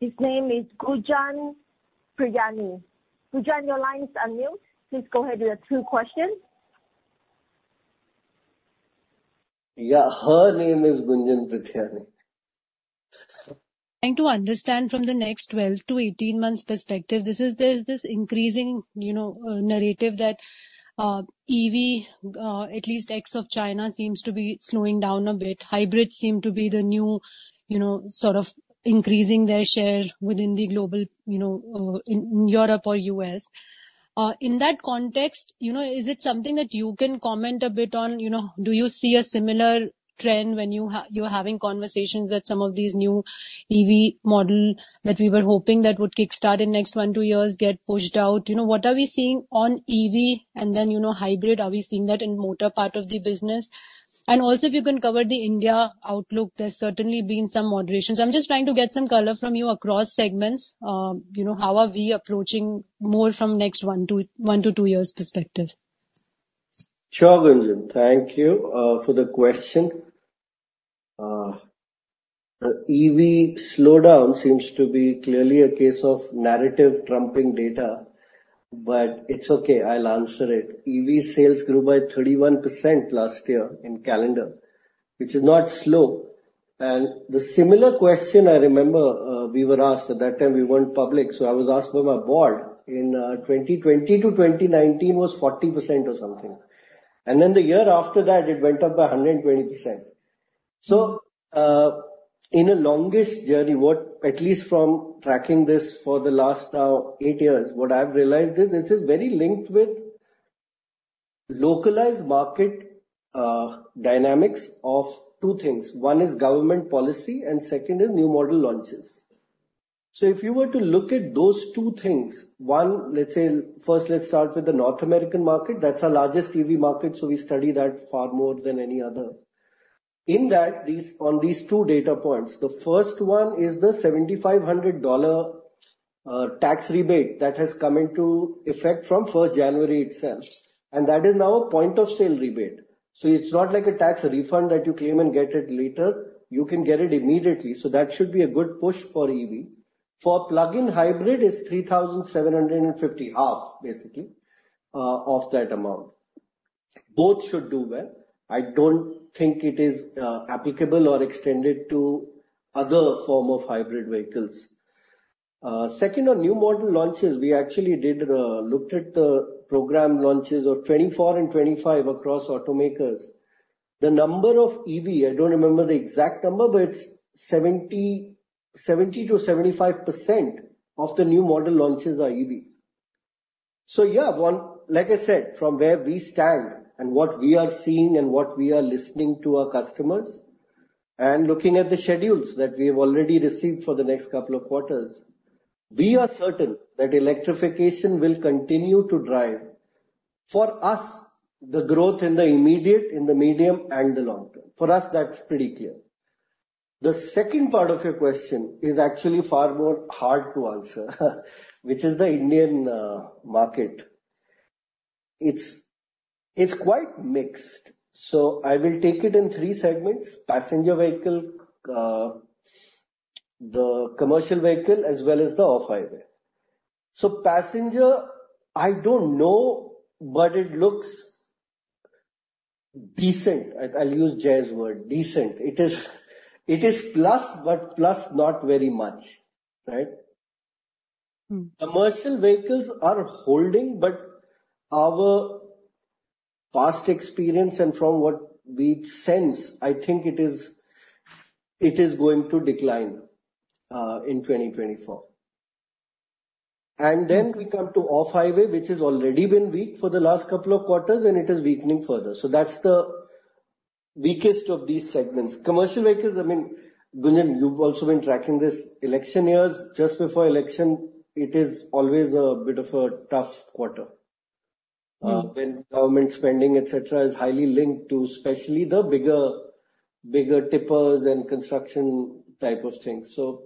His name is Gunjan Prithyani. Gunjan, your line is on mute. Please go ahead, you have two questions. Yeah, her name is Gunjan Prithyani. Trying to understand from the next 12-18 months perspective, this is, there's this increasing, you know, narrative that EV, at least ex of China, seems to be slowing down a bit. Hybrids seem to be the new, you know, sort of increasing their share within the global, you know, in Europe or U.S. In that context, you know, is it something that you can comment a bit on? You know, do you see a similar trend when you are having conversations that some of these new EV model that we were hoping that would kickstart in next 1-2 years, get pushed out? You know, what are we seeing on EV and then, you know, hybrid, are we seeing that in motor part of the business? And also, if you can cover the India outlook, there's certainly been some moderation. I'm just trying to get some color from you across segments. You know, how are we approaching more from next one to, one to two years perspective? Sure, Gunjan. Thank you for the question. The EV slowdown seems to be clearly a case of narrative trumping data, but it's okay, I'll answer it. EV sales grew by 31% last year in calendar, which is not slow. And the similar question I remember, we were asked, at that time we went public, so I was asked by my board, in 2020 to 2019 was 40% or something. And then the year after that, it went up by 120%. So, in a longest journey, what—at least from tracking this for the last eight years, what I've realized is, this is very linked with localized market dynamics of two things. One is government policy, and second is new model launches. So if you were to look at those two things, one, let's say... First, let's start with the North American market. That's our largest EV market, so we study that far more than any other. In that, on these two data points, the first one is the $7,500 tax rebate that has come into effect from January 1 itself, and that is now a point of sale rebate. So it's not like a tax refund that you claim and get it later, you can get it immediately, so that should be a good push for EV. For Plug-in hybrid, is $3,750, half, basically, of that amount. Both should do well. I don't think it is applicable or extended to other form of hybrid vehicles. Second, on new model launches, we actually did looked at the program launches of 2024 and 2025 across automakers. The number of EV, I don't remember the exact number, but it's 70-75% of the new model launches are EV. So yeah, one, like I said, from where we stand and what we are seeing and what we are listening to our customers, and looking at the schedules that we have already received for the next couple of quarters, we are certain that electrification will continue to drive, for us, the growth in the immediate, in the medium, and the long term. For us, that's pretty clear. The second part of your question is actually far more hard to answer, which is the Indian market. It's quite mixed, so I will take it in three segments: passenger vehicle, the commercial vehicle, as well as the off-highway. So passenger, I don't know, but it looks decent. I'll use Jay's word, decent. It is, it is plus, but plus, not very much, right? Mm. Commercial vehicles are holding, but our past experience and from what we sense, I think it is, it is going to decline in 2024. And then we come to off-highway, which has already been weak for the last couple of quarters, and it is weakening further. So that's the weakest of these segments. Commercial vehicles, I mean, Gunjan, you've also been tracking this election years. Just before election, it is always a bit of a tough quarter- Mm. When government spending, et cetera, is highly linked to especially the bigger, bigger tippers and construction type of things. So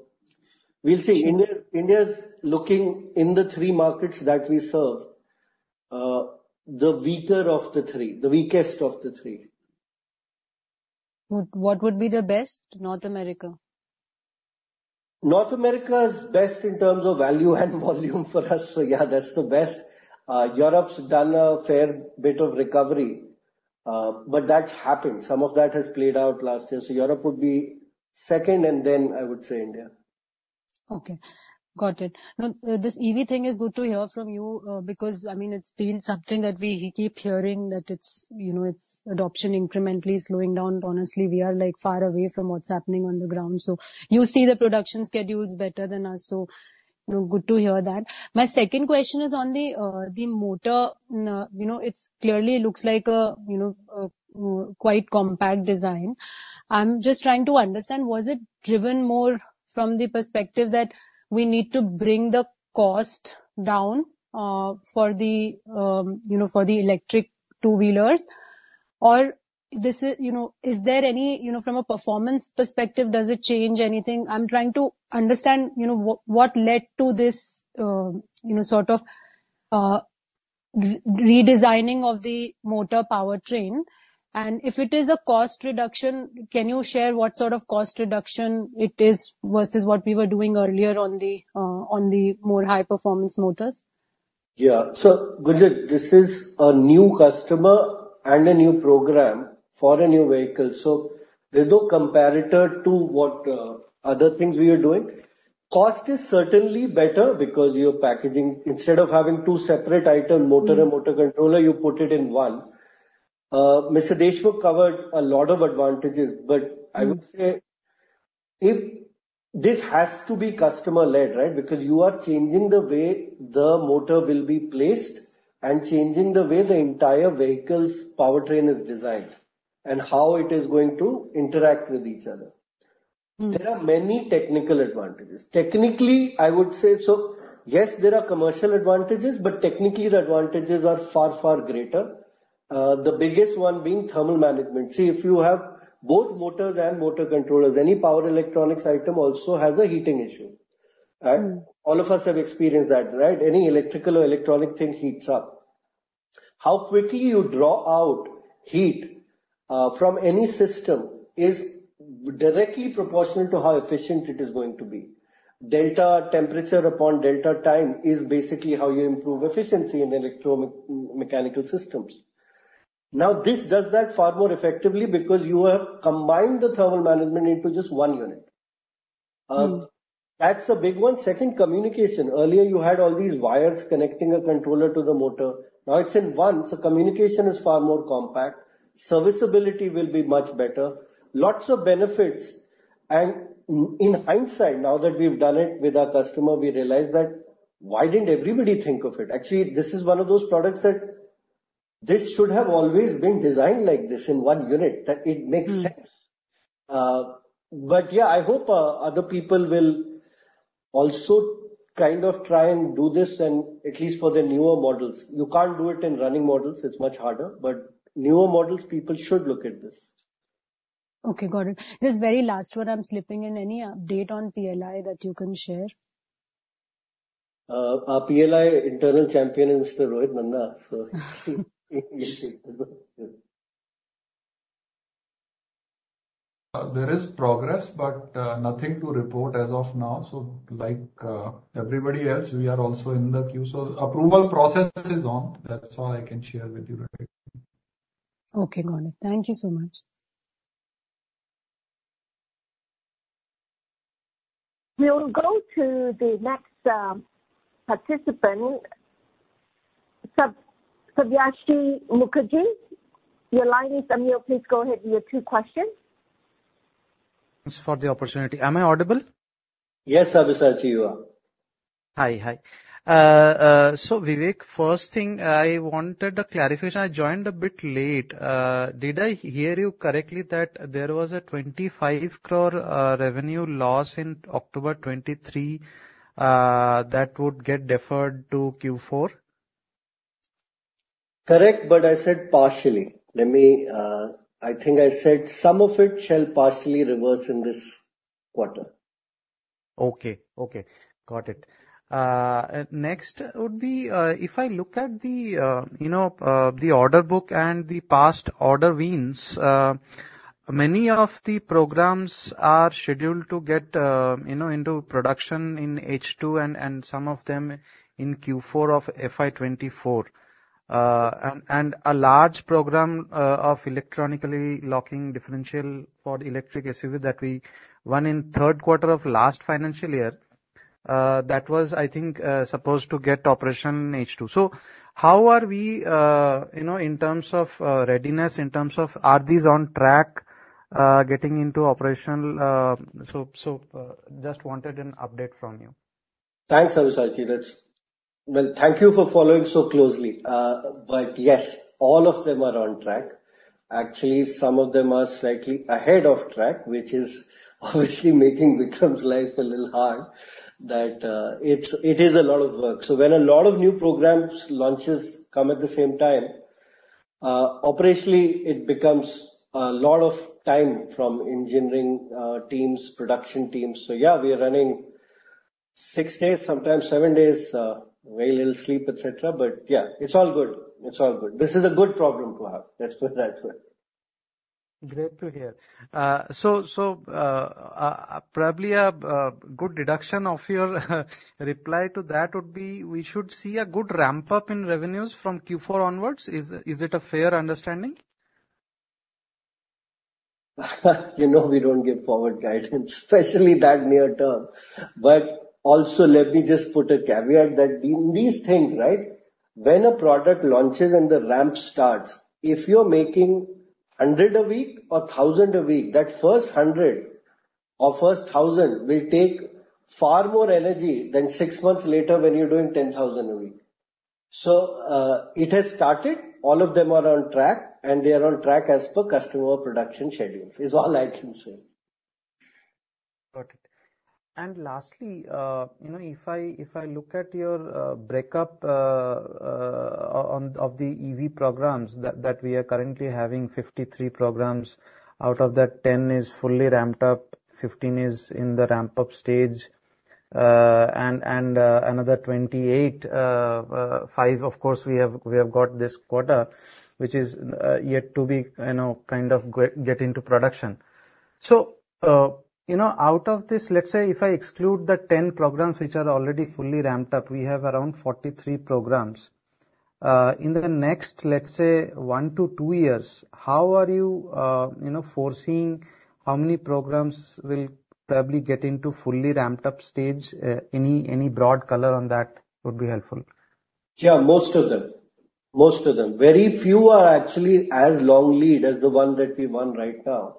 we'll see. Sure. India, India is looking in the three markets that we serve, the weaker of the three, the weakest of the three. What would be the best? North America. North America is best in terms of value and volume for us, so yeah, that's the best. Europe's done a fair bit of recovery, but that's happened. Some of that has played out last year. So Europe would be second, and then I would say India. Okay, got it. Now, this EV thing is good to hear from you, because, I mean, it's been something that we keep hearing that it's, you know, its adoption incrementally slowing down. Honestly, we are, like, far away from what's happening on the ground. So you see the production schedules better than us, so, you know, good to hear that. My second question is on the, the motor. You know, it's clearly looks like a, you know, a, quite compact design. I'm just trying to understand, was it driven more from the perspective that we need to bring the cost down, for the, you know, for the electric two-wheelers? Or this is... You know, is there any, you know, from a performance perspective, does it change anything? I'm trying to understand, you know, what, what led to this, you know, sort of, redesigning of the motor powertrain? And if it is a cost reduction, can you share what sort of cost reduction it is, versus what we were doing earlier on the, on the more high performance motors? Yeah. So, Gunjan, this is a new customer and a new program for a new vehicle, so there's no comparator to what other things we are doing. Cost is certainly better because you're packaging, instead of having two separate item, motor and motor controller, you put it in one. Mr. Deshmukh covered a lot of advantages, but I would say, if this has to be customer-led, right? Because you are changing the way the motor will be placed and changing the way the entire vehicle's powertrain is designed, and how it is going to interact with each other. Mm. There are many technical advantages. Technically, I would say so, yes, there are commercial advantages, but technically the advantages are far, far greater. The biggest one being thermal management. See, if you have both motors and motor controllers, any power electronics item also has a heating issue, right? Mm. All of us have experienced that, right? Any electrical or electronic thing heats up. How quickly you draw out heat from any system is directly proportional to how efficient it is going to be. Delta temperature upon delta time is basically how you improve efficiency in electromechanical systems. Now, this does that far more effectively because you have combined the thermal management into just one unit. Mm. That's a big one. Second, communication. Earlier, you had all these wires connecting a controller to the motor. Now, it's in one, so communication is far more compact. Serviceability will be much better. Lots of benefits, and in hindsight, now that we've done it with our customer, we realize that why didn't everybody think of it? Actually, this is one of those products that this should have always been designed like this, in one unit, that it makes sense. Mm. But yeah, I hope other people will also kind of try and do this and at least for the newer models. You can't do it in running models. It's much harder, but newer models, people should look at this. Okay, got it. Just very last one, I'm slipping in, any update on PLI that you can share? Our PLI internal champion is Mr. Rohit Nanda, so There is progress, but, nothing to report as of now. So like, everybody else, we are also in the queue. So approval process is on. That's all I can share with you right now. Okay, got it. Thank you so much. We will go to the next participant, Sabyasachi Mukherjee. Your line is unmuted. Please go ahead with your two questions. Thanks for the opportunity. Am I audible? Yes, Sabyasachi, you are. Hi. Hi. So, Vivek, first thing, I wanted a clarification. I joined a bit late. Did I hear you correctly, that there was a 25 crore revenue loss in October 2023, that would get deferred to Q4? Correct, but I said partially. Let me... I think I said some of it shall partially reverse in this quarter. Okay. Okay. Got it. Next would be, if I look at the, you know, the order book and the past order wins, many of the programs are scheduled to get, you know, into production in H2 and some of them in Q4 of FY 2024. And a large program of electronically locking differential for electric SUV that we won in third quarter of last financial year, that was, I think, supposed to get operation in H2. So how are we, you know, in terms of readiness, in terms of are these on track getting into operational? So just wanted an update from you. Thanks, Sabyasachi, that's. Well, thank you for following so closely. But yes, all of them are on track. Actually, some of them are slightly ahead of track, which is obviously making Vikram's life a little hard, that, it's, it is a lot of work. So when a lot of new programs, launches, come at the same time, operationally, it becomes a lot of time from engineering, teams, production teams. So yeah, we are running six days, sometimes seven days, very little sleep, et cetera. But yeah, it's all good. It's all good. This is a good problem to have. Let's put that way. Great to hear. So, probably a good deduction of your reply to that would be, we should see a good ramp-up in revenues from Q4 onwards. Is it a fair understanding? You know, we don't give forward guidance, especially that near term. But also, let me just put a caveat that in these things, right, when a product launches and the ramp starts, if you're making 100 a week or 1,000 a week, that first 100 or first 1,000 will take far more energy than six months later when you're doing 10,000 a week. So, it has started. All of them are on track, and they are on track as per customer production schedules. It's all I can say. Got it. And lastly, you know, if I look at your breakup of the EV programs that we are currently having 53 programs, out of that, 10 is fully ramped up, 15 is in the ramp-up stage. And another 28, 5, of course, we have got this quarter, which is yet to be, you know, kind of get into production. So, you know, out of this, let's say if I exclude the 10 programs which are already fully ramped up, we have around 43 programs. In the next, let's say, 1-2 years, how are you, you know, foreseeing how many programs will probably get into fully ramped up stage? Any broad color on that would be helpful. Yeah, most of them, most of them. Very few are actually as long lead as the one that we won right now.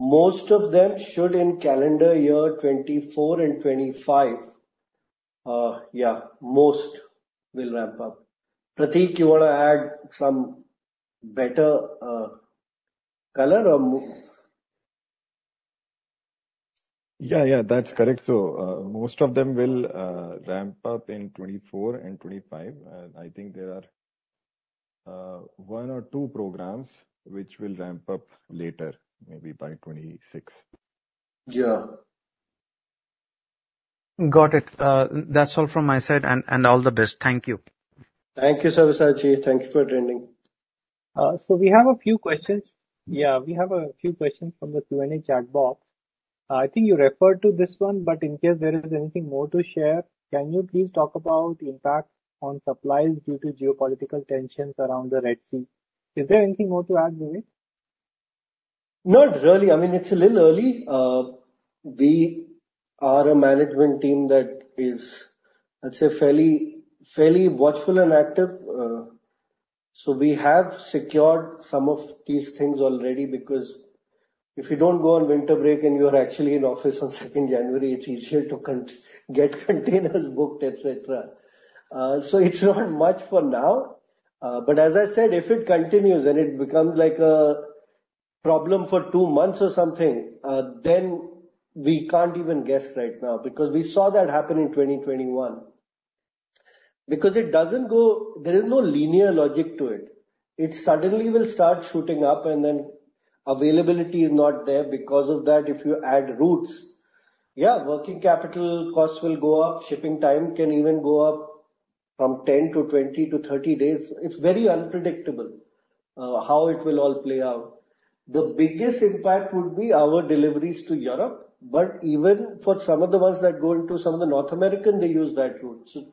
Most of them should in calendar year 2024 and 2025, yeah, most will ramp up. Prateek, you want to add some better color or more? Yeah, yeah, that's correct. Most of them will ramp up in 2024 and 2025. I think there are one or two programs which will ramp up later, maybe by 2026. Yeah. Got it. That's all from my side, and all the best. Thank you. Thank you, Sabyasachi. Thank you for attending. So we have a few questions. Yeah, we have a few questions from the Q&A chat box. I think you referred to this one, but in case there is anything more to share, can you please talk about the impact on supplies due to geopolitical tensions around the Red Sea? Is there anything more to add, Vivek? Not really. I mean, it's a little early. We are a management team that is, I'd say, fairly, fairly watchful and active. So we have secured some of these things already because if you don't go on winter break and you are actually in office on second January, it's easier to get containers booked, et cetera. So it's not much for now, but as I said, if it continues and it becomes like a problem for two months or something, then we can't even guess right now, because we saw that happen in 2021. Because it doesn't go... There is no linear logic to it. It suddenly will start shooting up, and then availability is not there. Because of that, if you add routes, yeah, working capital costs will go up, shipping time can even go up from 10 to 20 to 30 days. It's very unpredictable, how it will all play out. The biggest impact would be our deliveries to Europe, but even for some of the ones that go into some of the North American, they use that route. So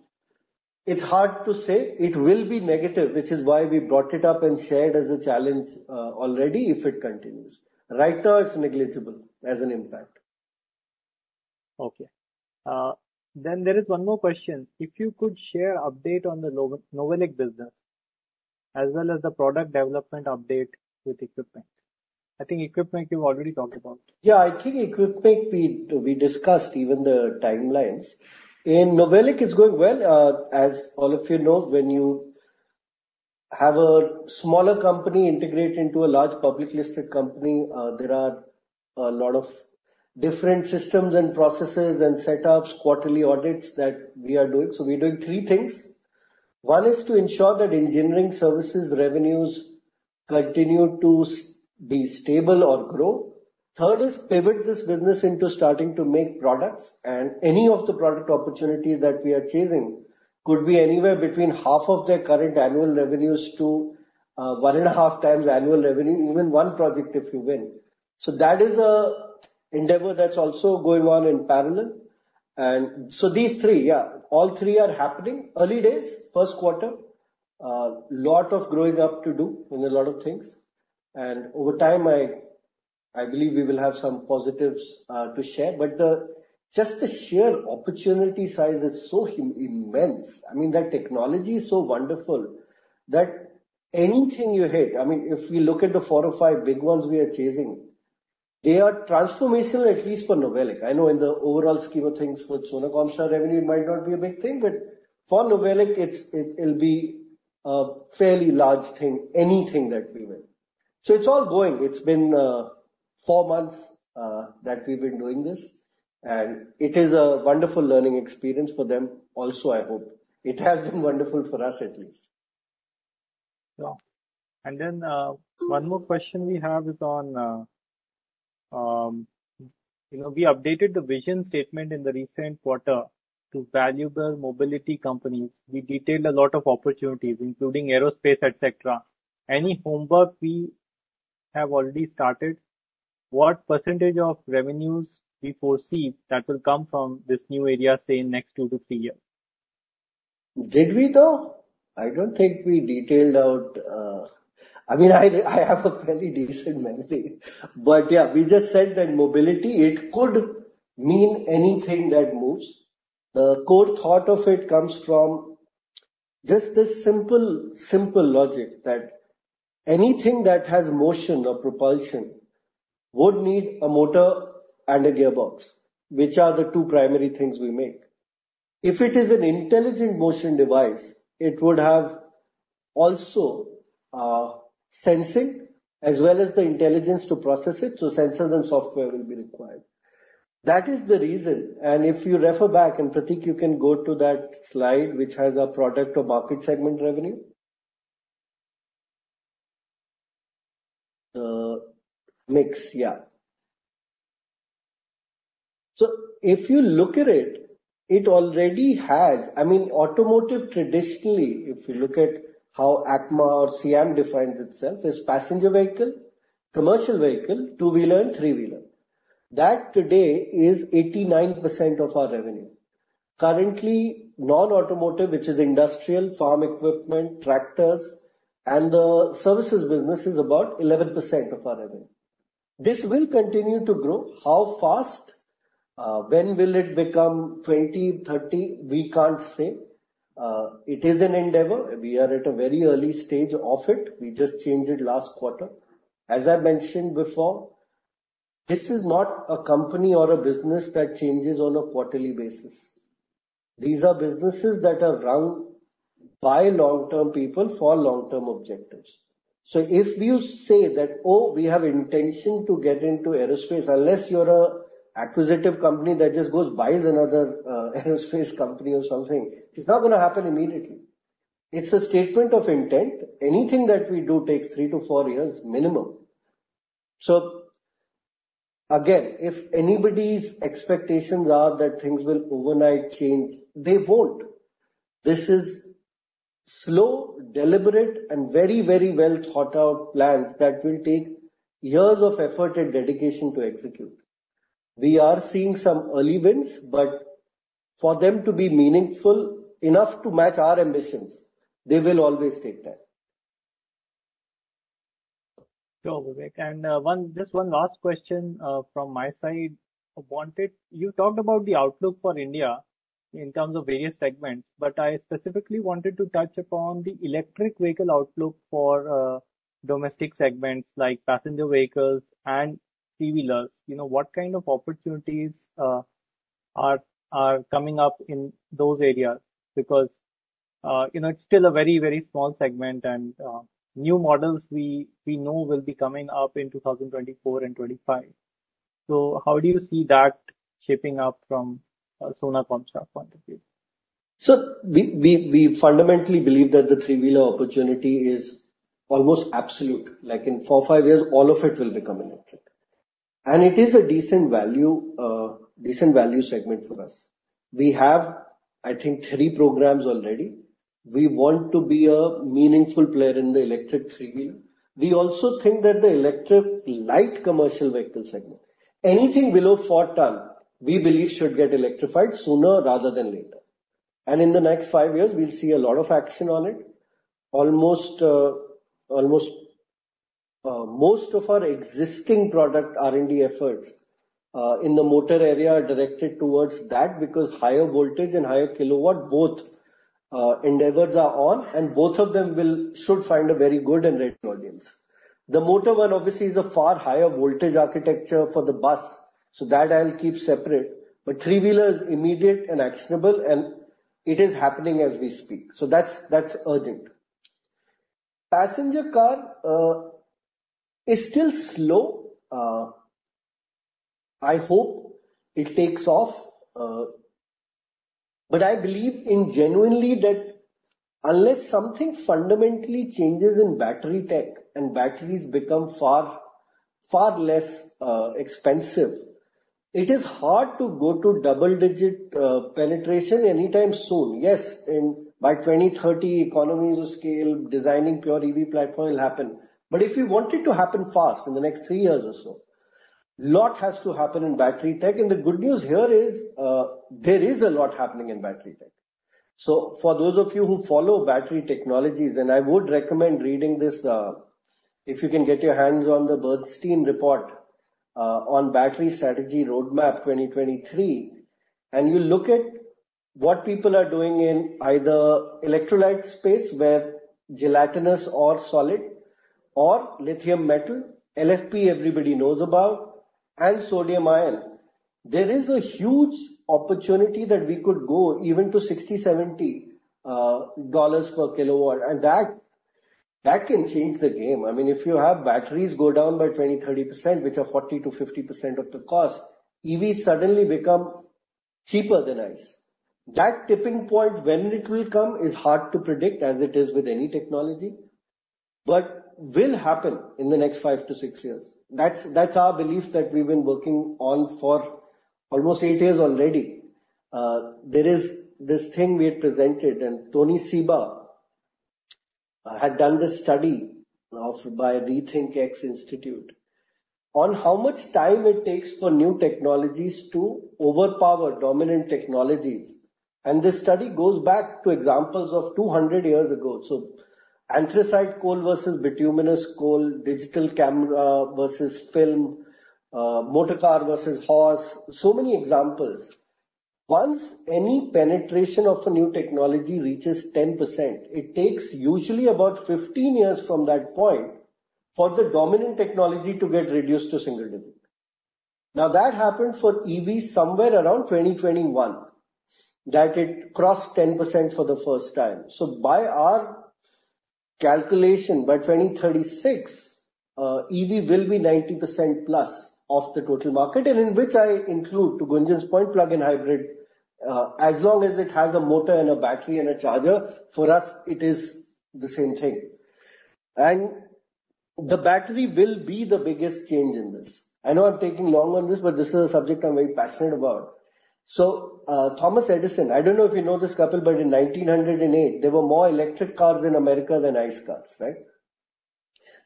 it's hard to say. It will be negative, which is why we brought it up and shared as a challenge, already, if it continues. Right now, it's negligible as an impact. Okay. There is one more question. If you could share update on the NovelIC business, as well as the product development update with Equipmake. I think Equipmake you've already talked about. Yeah, I think Equipmake we, we discussed even the timelines. In NovelIC, it's going well. As all of you know, when you have a smaller company integrate into a large public listed company, there are a lot of different systems and processes and setups, quarterly audits that we are doing. So we're doing three things. One is to ensure that engineering services revenues continue to be stable or grow. Third is pivot this business into starting to make products, and any of the product opportunities that we are chasing could be anywhere between half of their current annual revenues to, one and a half times annual revenue, even one project if you win. So that is a endeavor that's also going on in parallel. And so these three, yeah, all three are happening. Early days, first quarter, a lot of growing up to do in a lot of things, and over time, I believe we will have some positives to share. But just the sheer opportunity size is so immense. I mean, the technology is so wonderful that anything you hit, I mean, if we look at the four or five big ones we are chasing, they are transformational, at least for NovelIC. I know in the overall scheme of things, for Sona Comstar revenue, it might not be a big thing, but for NovelIC, it's, it'll be a fairly large thing, anything that we win. So it's all going. It's been four months that we've been doing this, and it is a wonderful learning experience for them also, I hope. It has been wonderful for us, at least. Yeah. And then, one more question we have is on, you know, we updated the vision statement in the recent quarter to valuable mobility companies. We detailed a lot of opportunities, including aerospace, et cetera. Any homework we have already started, what percentage of revenues we foresee that will come from this new area, say, in next two to three years? Did we, though? I don't think we detailed out. I mean, I have a very decent memory, but yeah, we just said that mobility, it could mean anything that moves. The core thought of it comes from just this simple, simple logic, that anything that has motion or propulsion would need a motor and a gearbox, which are the two primary things we make. If it is an intelligent motion device, it would have also, sensing as well as the intelligence to process it, so sensors and software will be required. That is the reason, and if you refer back, and, Prateek, you can go to that slide, which has a product or market segment revenue mix. Yeah. If you look at it, it already has, I mean, automotive traditionally, if you look at how ACMA or SIAM defines itself, is passenger vehicle, commercial vehicle, two-wheeler, and three-wheeler. That today is 89% of our revenue. Currently, non-automotive, which is industrial, farm equipment, tractors, and the services business, is about 11% of our revenue. This will continue to grow. How fast? When will it become 20, 30? We can't say. It is an endeavor. We are at a very early stage of it. We just changed it last quarter. As I mentioned before, this is not a company or a business that changes on a quarterly basis. These are businesses that are run by long-term people for long-term objectives. So if you say that: Oh, we have intention to get into aerospace, unless you're a acquisitive company that just goes buys another, aerospace company or something, it's not going to happen immediately. It's a statement of intent. Anything that we do takes 3-4 years minimum. So again, if anybody's expectations are that things will overnight change, they won't. This is slow, deliberate, and very, very well thought out plans that will take years of effort and dedication to execute. We are seeing some early wins, but for them to be meaningful enough to match our ambitions, they will always take time. Sure, Vivek. And, just one last question from my side. I wanted... You talked about the outlook for India in terms of various segments, but I specifically wanted to touch upon the electric vehicle outlook for domestic segments like passenger vehicles and three-wheelers. You know, what kind of opportunities are coming up in those areas? Because, you know, it's still a very, very small segment and new models we know will be coming up in 2024 and 2025. So how do you see that shaping up from a Sona Comstar point of view? So we fundamentally believe that the three-wheeler opportunity is almost absolute. Like, in 4-5 years, all of it will become electric. And it is a decent value, decent value segment for us. We have, I think, 3 programs already. We want to be a meaningful player in the electric three-wheeler. We also think that the electric light commercial vehicle segment, anything below 4-ton, we believe, should get electrified sooner rather than later. And in the next 5 years, we'll see a lot of action on it. Almost, almost, most of our existing product R&D efforts in the motor area are directed towards that, because higher voltage and higher kW, both endeavors are on, and both of them will should find a very good and ready audience. The motor one, obviously, is a far higher voltage architecture for the bus, so that I'll keep separate. But three-wheeler is immediate and actionable, and it is happening as we speak, so that's, that's urgent. Passenger car is still slow. I hope it takes off, but I believe in genuinely that unless something fundamentally changes in battery tech and batteries become far, far less expensive, it is hard to go to double-digit penetration anytime soon. Yes, in by 2030, economies of scale, designing pure EV platform will happen. But if we want it to happen fast, in the next three years or so, lot has to happen in battery tech. And the good news here is, there is a lot happening in battery tech. So for those of you who follow battery technologies, and I would recommend reading this, if you can get your hands on the Bernstein Report, on Battery Strategy Roadmap 2023, and you look at what people are doing in either electrolyte space, where gelatinous or solid, or lithium metal, LFP, everybody knows about, and Sodium-Ion. There is a huge opportunity that we could go even to $60-$70 per kW, and that, that can change the game. I mean, if you have batteries go down by 20-30%, which are 40%-50% of the cost, EV suddenly become cheaper than ICE. That tipping point, when it will come, is hard to predict, as it is with any technology, but will happen in the next 5-6 years. That's, that's our belief that we've been working on for almost eight years already. There is this thing we had presented, and Tony Seba had done this study of—by RethinkX Institute, on how much time it takes for new technologies to overpower dominant technologies. And this study goes back to examples of 200 years ago. So anthracite coal versus bituminous coal, digital camera versus film, motorcar versus horse. So many examples. Once any penetration of a new technology reaches 10%, it takes usually about 15 years from that point for the dominant technology to get reduced to single digit. Now, that happened for EV somewhere around 2021, that it crossed 10% for the first time. So by our calculation, by 2036, EV will be 90%+ of the total market, and in which I include, to Gunjan's point, Plug-in hybrid, as long as it has a motor and a battery and a charger, for us, it is the same thing. And the battery will be the biggest change in this. I know I'm taking long on this, but this is a subject I'm very passionate about. So, Thomas Edison, I don't know if you know this, Kapil, but in 1908, there were more electric cars in America than ICE cars, right?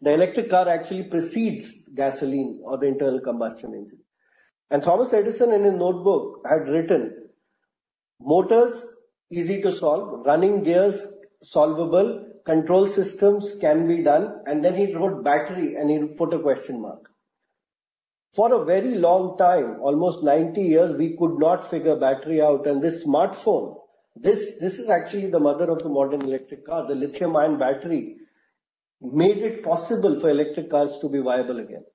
The electric car actually precedes gasoline or the internal combustion engine. And Thomas Edison, in his notebook, had written: "Motors, easy to solve. Running gears, solvable. Control systems, can be done." And then he wrote battery, and he put a question mark. For a very long time, almost 90 years, we could not figure battery out. This smartphone, this is actually the mother of the modern electric car. The Lithium-Ion Battery made it possible for electric cars to be viable again.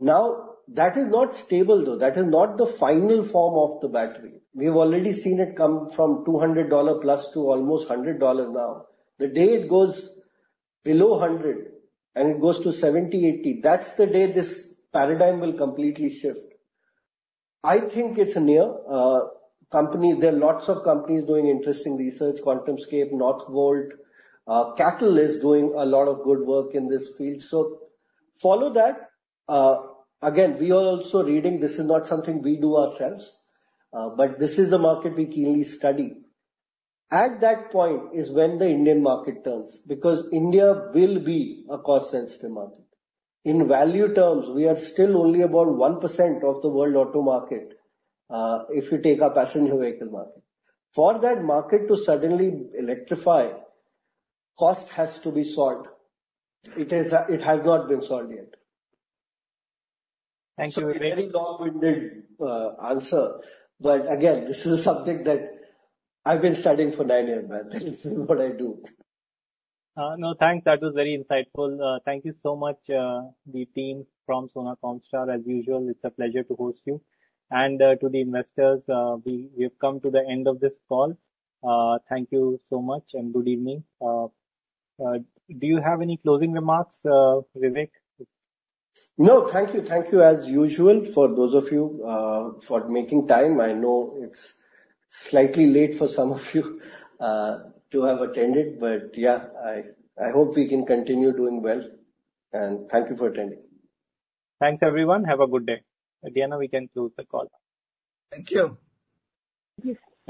Now, that is not stable, though. That is not the final form of the battery. We've already seen it come from $200+ to almost $100 now. The day it goes below $100, and it goes to $70, $80, that's the day this paradigm will completely shift. I think it's a near, company... There are lots of companies doing interesting research, QuantumScape, Northvolt, CATL is doing a lot of good work in this field. So follow that. Again, we are also reading, this is not something we do ourselves, but this is a market we keenly study. At that point is when the Indian market turns, because India will be a cost-sensitive market. In value terms, we are still only about 1% of the world auto market, if you take our passenger vehicle market. For that market to suddenly electrify, cost has to be solved. It is, it has not been solved yet. Thank you very- A very long-winded answer, but again, this is something that I've been studying for nine years, man. This is what I do. No, thanks. That was very insightful. Thank you so much, the team from Sona Comstar. As usual, it's a pleasure to host you. To the investors, we've come to the end of this call. Thank you so much, and good evening. Do you have any closing remarks, Vivek? No, thank you. Thank you, as usual, for those of you, for making time. I know it's slightly late for some of you, to have attended, but yeah, I hope we can continue doing well, and thank you for attending. Thanks, everyone. Have a good day. Diana, we can close the call. Thank you. Thank you.